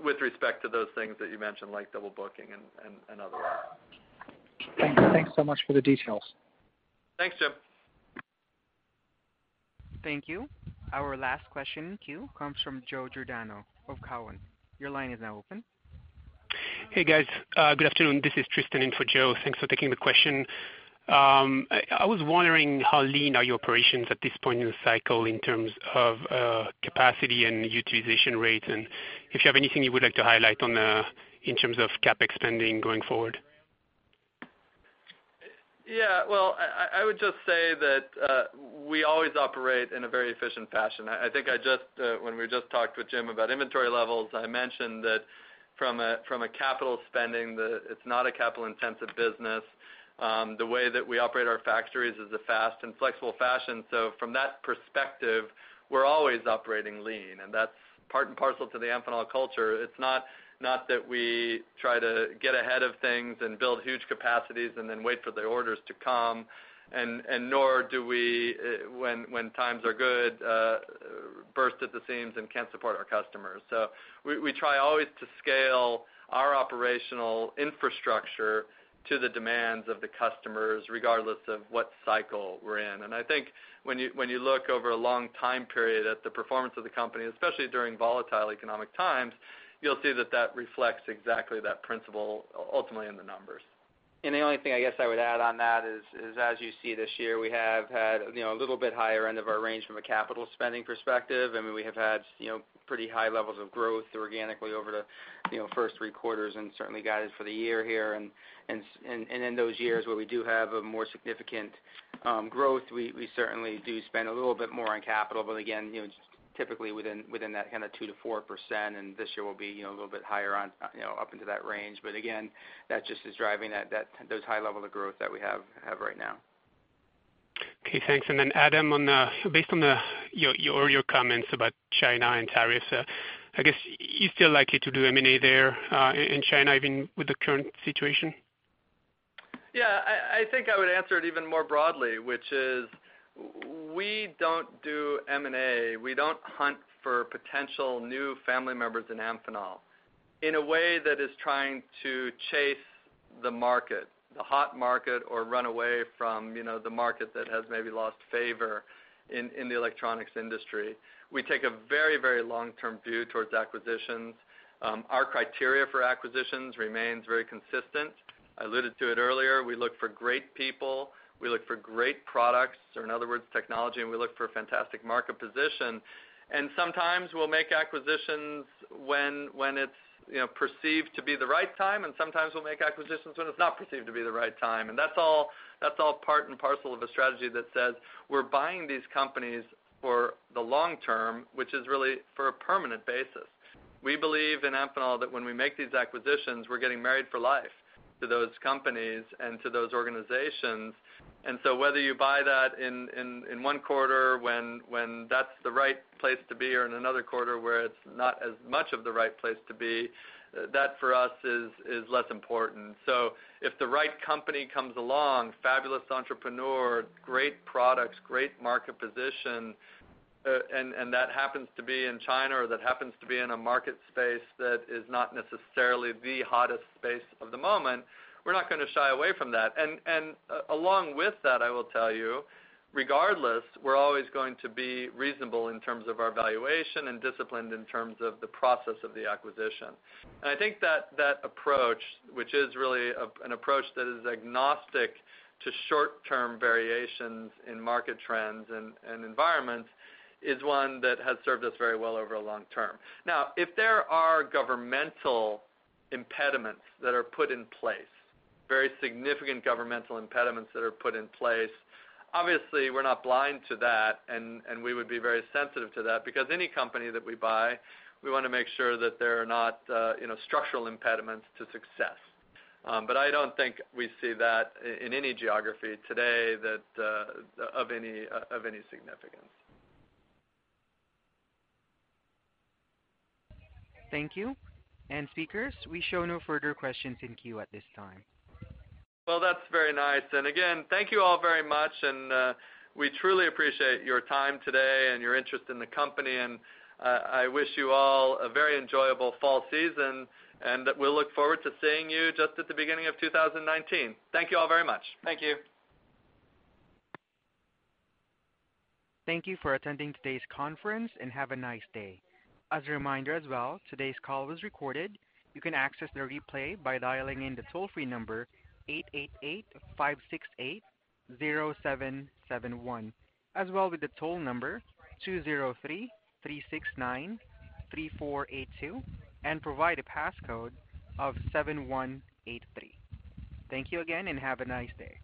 with respect to those things that you mentioned, like double booking and otherwise. Thanks so much for the details. Thanks, Jim. Thank you. Our last question in queue comes from Joe Giordano of Cowen. Your line is now open. Hey, guys. Good afternoon. This is Tristan in for Joe. Thanks for taking the question. I was wondering how lean are your operations at this point in the cycle in terms of capacity and utilization rates? And if you have anything you would like to highlight in terms of CapEx spending going forward. Yeah. Well, I would just say that we always operate in a very efficient fashion. I think when we just talked with Jim about inventory levels, I mentioned that from a capital spending, it's not a capital-intensive business. The way that we operate our factories is a fast and flexible fashion. So from that perspective, we're always operating lean. And that's part and parcel to the Amphenol culture. It's not that we try to get ahead of things and build huge capacities and then wait for the orders to come. And nor do we, when times are good, burst at the seams and can't support our customers. So we try always to scale our operational infrastructure to the demands of the customers, regardless of what cycle we're in. I think when you look over a long time period at the performance of the company, especially during volatile economic times, you'll see that that reflects exactly that principle, ultimately, in the numbers. The only thing I guess I would add on that is, as you see this year, we have had a little bit higher end of our range from a capital spending perspective. I mean, we have had pretty high levels of growth organically over the first three quarters and certainly guided for the year here. In those years where we do have a more significant growth, we certainly do spend a little bit more on capital. But again, typically within that kind of 2%-4%. This year will be a little bit higher up into that range. But again, that just is driving those high levels of growth that we have right now. Okay. Thanks. Then, Adam, based on your comments about China and tariffs, I guess, are you still likely to do M&A there in China, even with the current situation? Yeah. I think I would answer it even more broadly, which is we don't do M&A. We don't hunt for potential new family members in Amphenol in a way that is trying to chase the market, the hot market, or run away from the market that has maybe lost favor in the electronics industry. We take a very, very long-term view towards acquisitions. Our criteria for acquisitions remains very consistent. I alluded to it earlier. We look for great people. We look for great products or, in other words, technology. And we look for a fantastic market position. And sometimes we'll make acquisitions when it's perceived to be the right time. And sometimes we'll make acquisitions when it's not perceived to be the right time. That's all part and parcel of a strategy that says we're buying these companies for the long term, which is really for a permanent basis. We believe in Amphenol that when we make these acquisitions, we're getting married for life to those companies and to those organizations. So whether you buy that in one quarter when that's the right place to be or in another quarter where it's not as much of the right place to be, that for us is less important. So if the right company comes along, fabulous entrepreneur, great products, great market position, and that happens to be in China or that happens to be in a market space that is not necessarily the hottest space of the moment, we're not going to shy away from that. And along with that, I will tell you, regardless, we're always going to be reasonable in terms of our valuation and disciplined in terms of the process of the acquisition. And I think that approach, which is really an approach that is agnostic to short-term variations in market trends and environments, is one that has served us very well over a long term. Now, if there are governmental impediments that are put in place, very significant governmental impediments that are put in place, obviously, we're not blind to that. And we would be very sensitive to that. Because any company that we buy, we want to make sure that there are not structural impediments to success. But I don't think we see that in any geography today of any significance. Thank you. Speakers, we show no further questions in queue at this time. Well, that's very nice. Again, thank you all very much. We truly appreciate your time today and your interest in the company. I wish you all a very enjoyable fall season. We'll look forward to seeing you just at the beginning of 2019. Thank you all very much. Thank you. Thank you for attending today's conference, and have a nice day. As a reminder as well, today's call was recorded. You can access the replay by dialing in the toll-free number 888-568-0771, as well with the toll number 203-369-3482, and provide a passcode of 7183. Thank you again and have a nice day.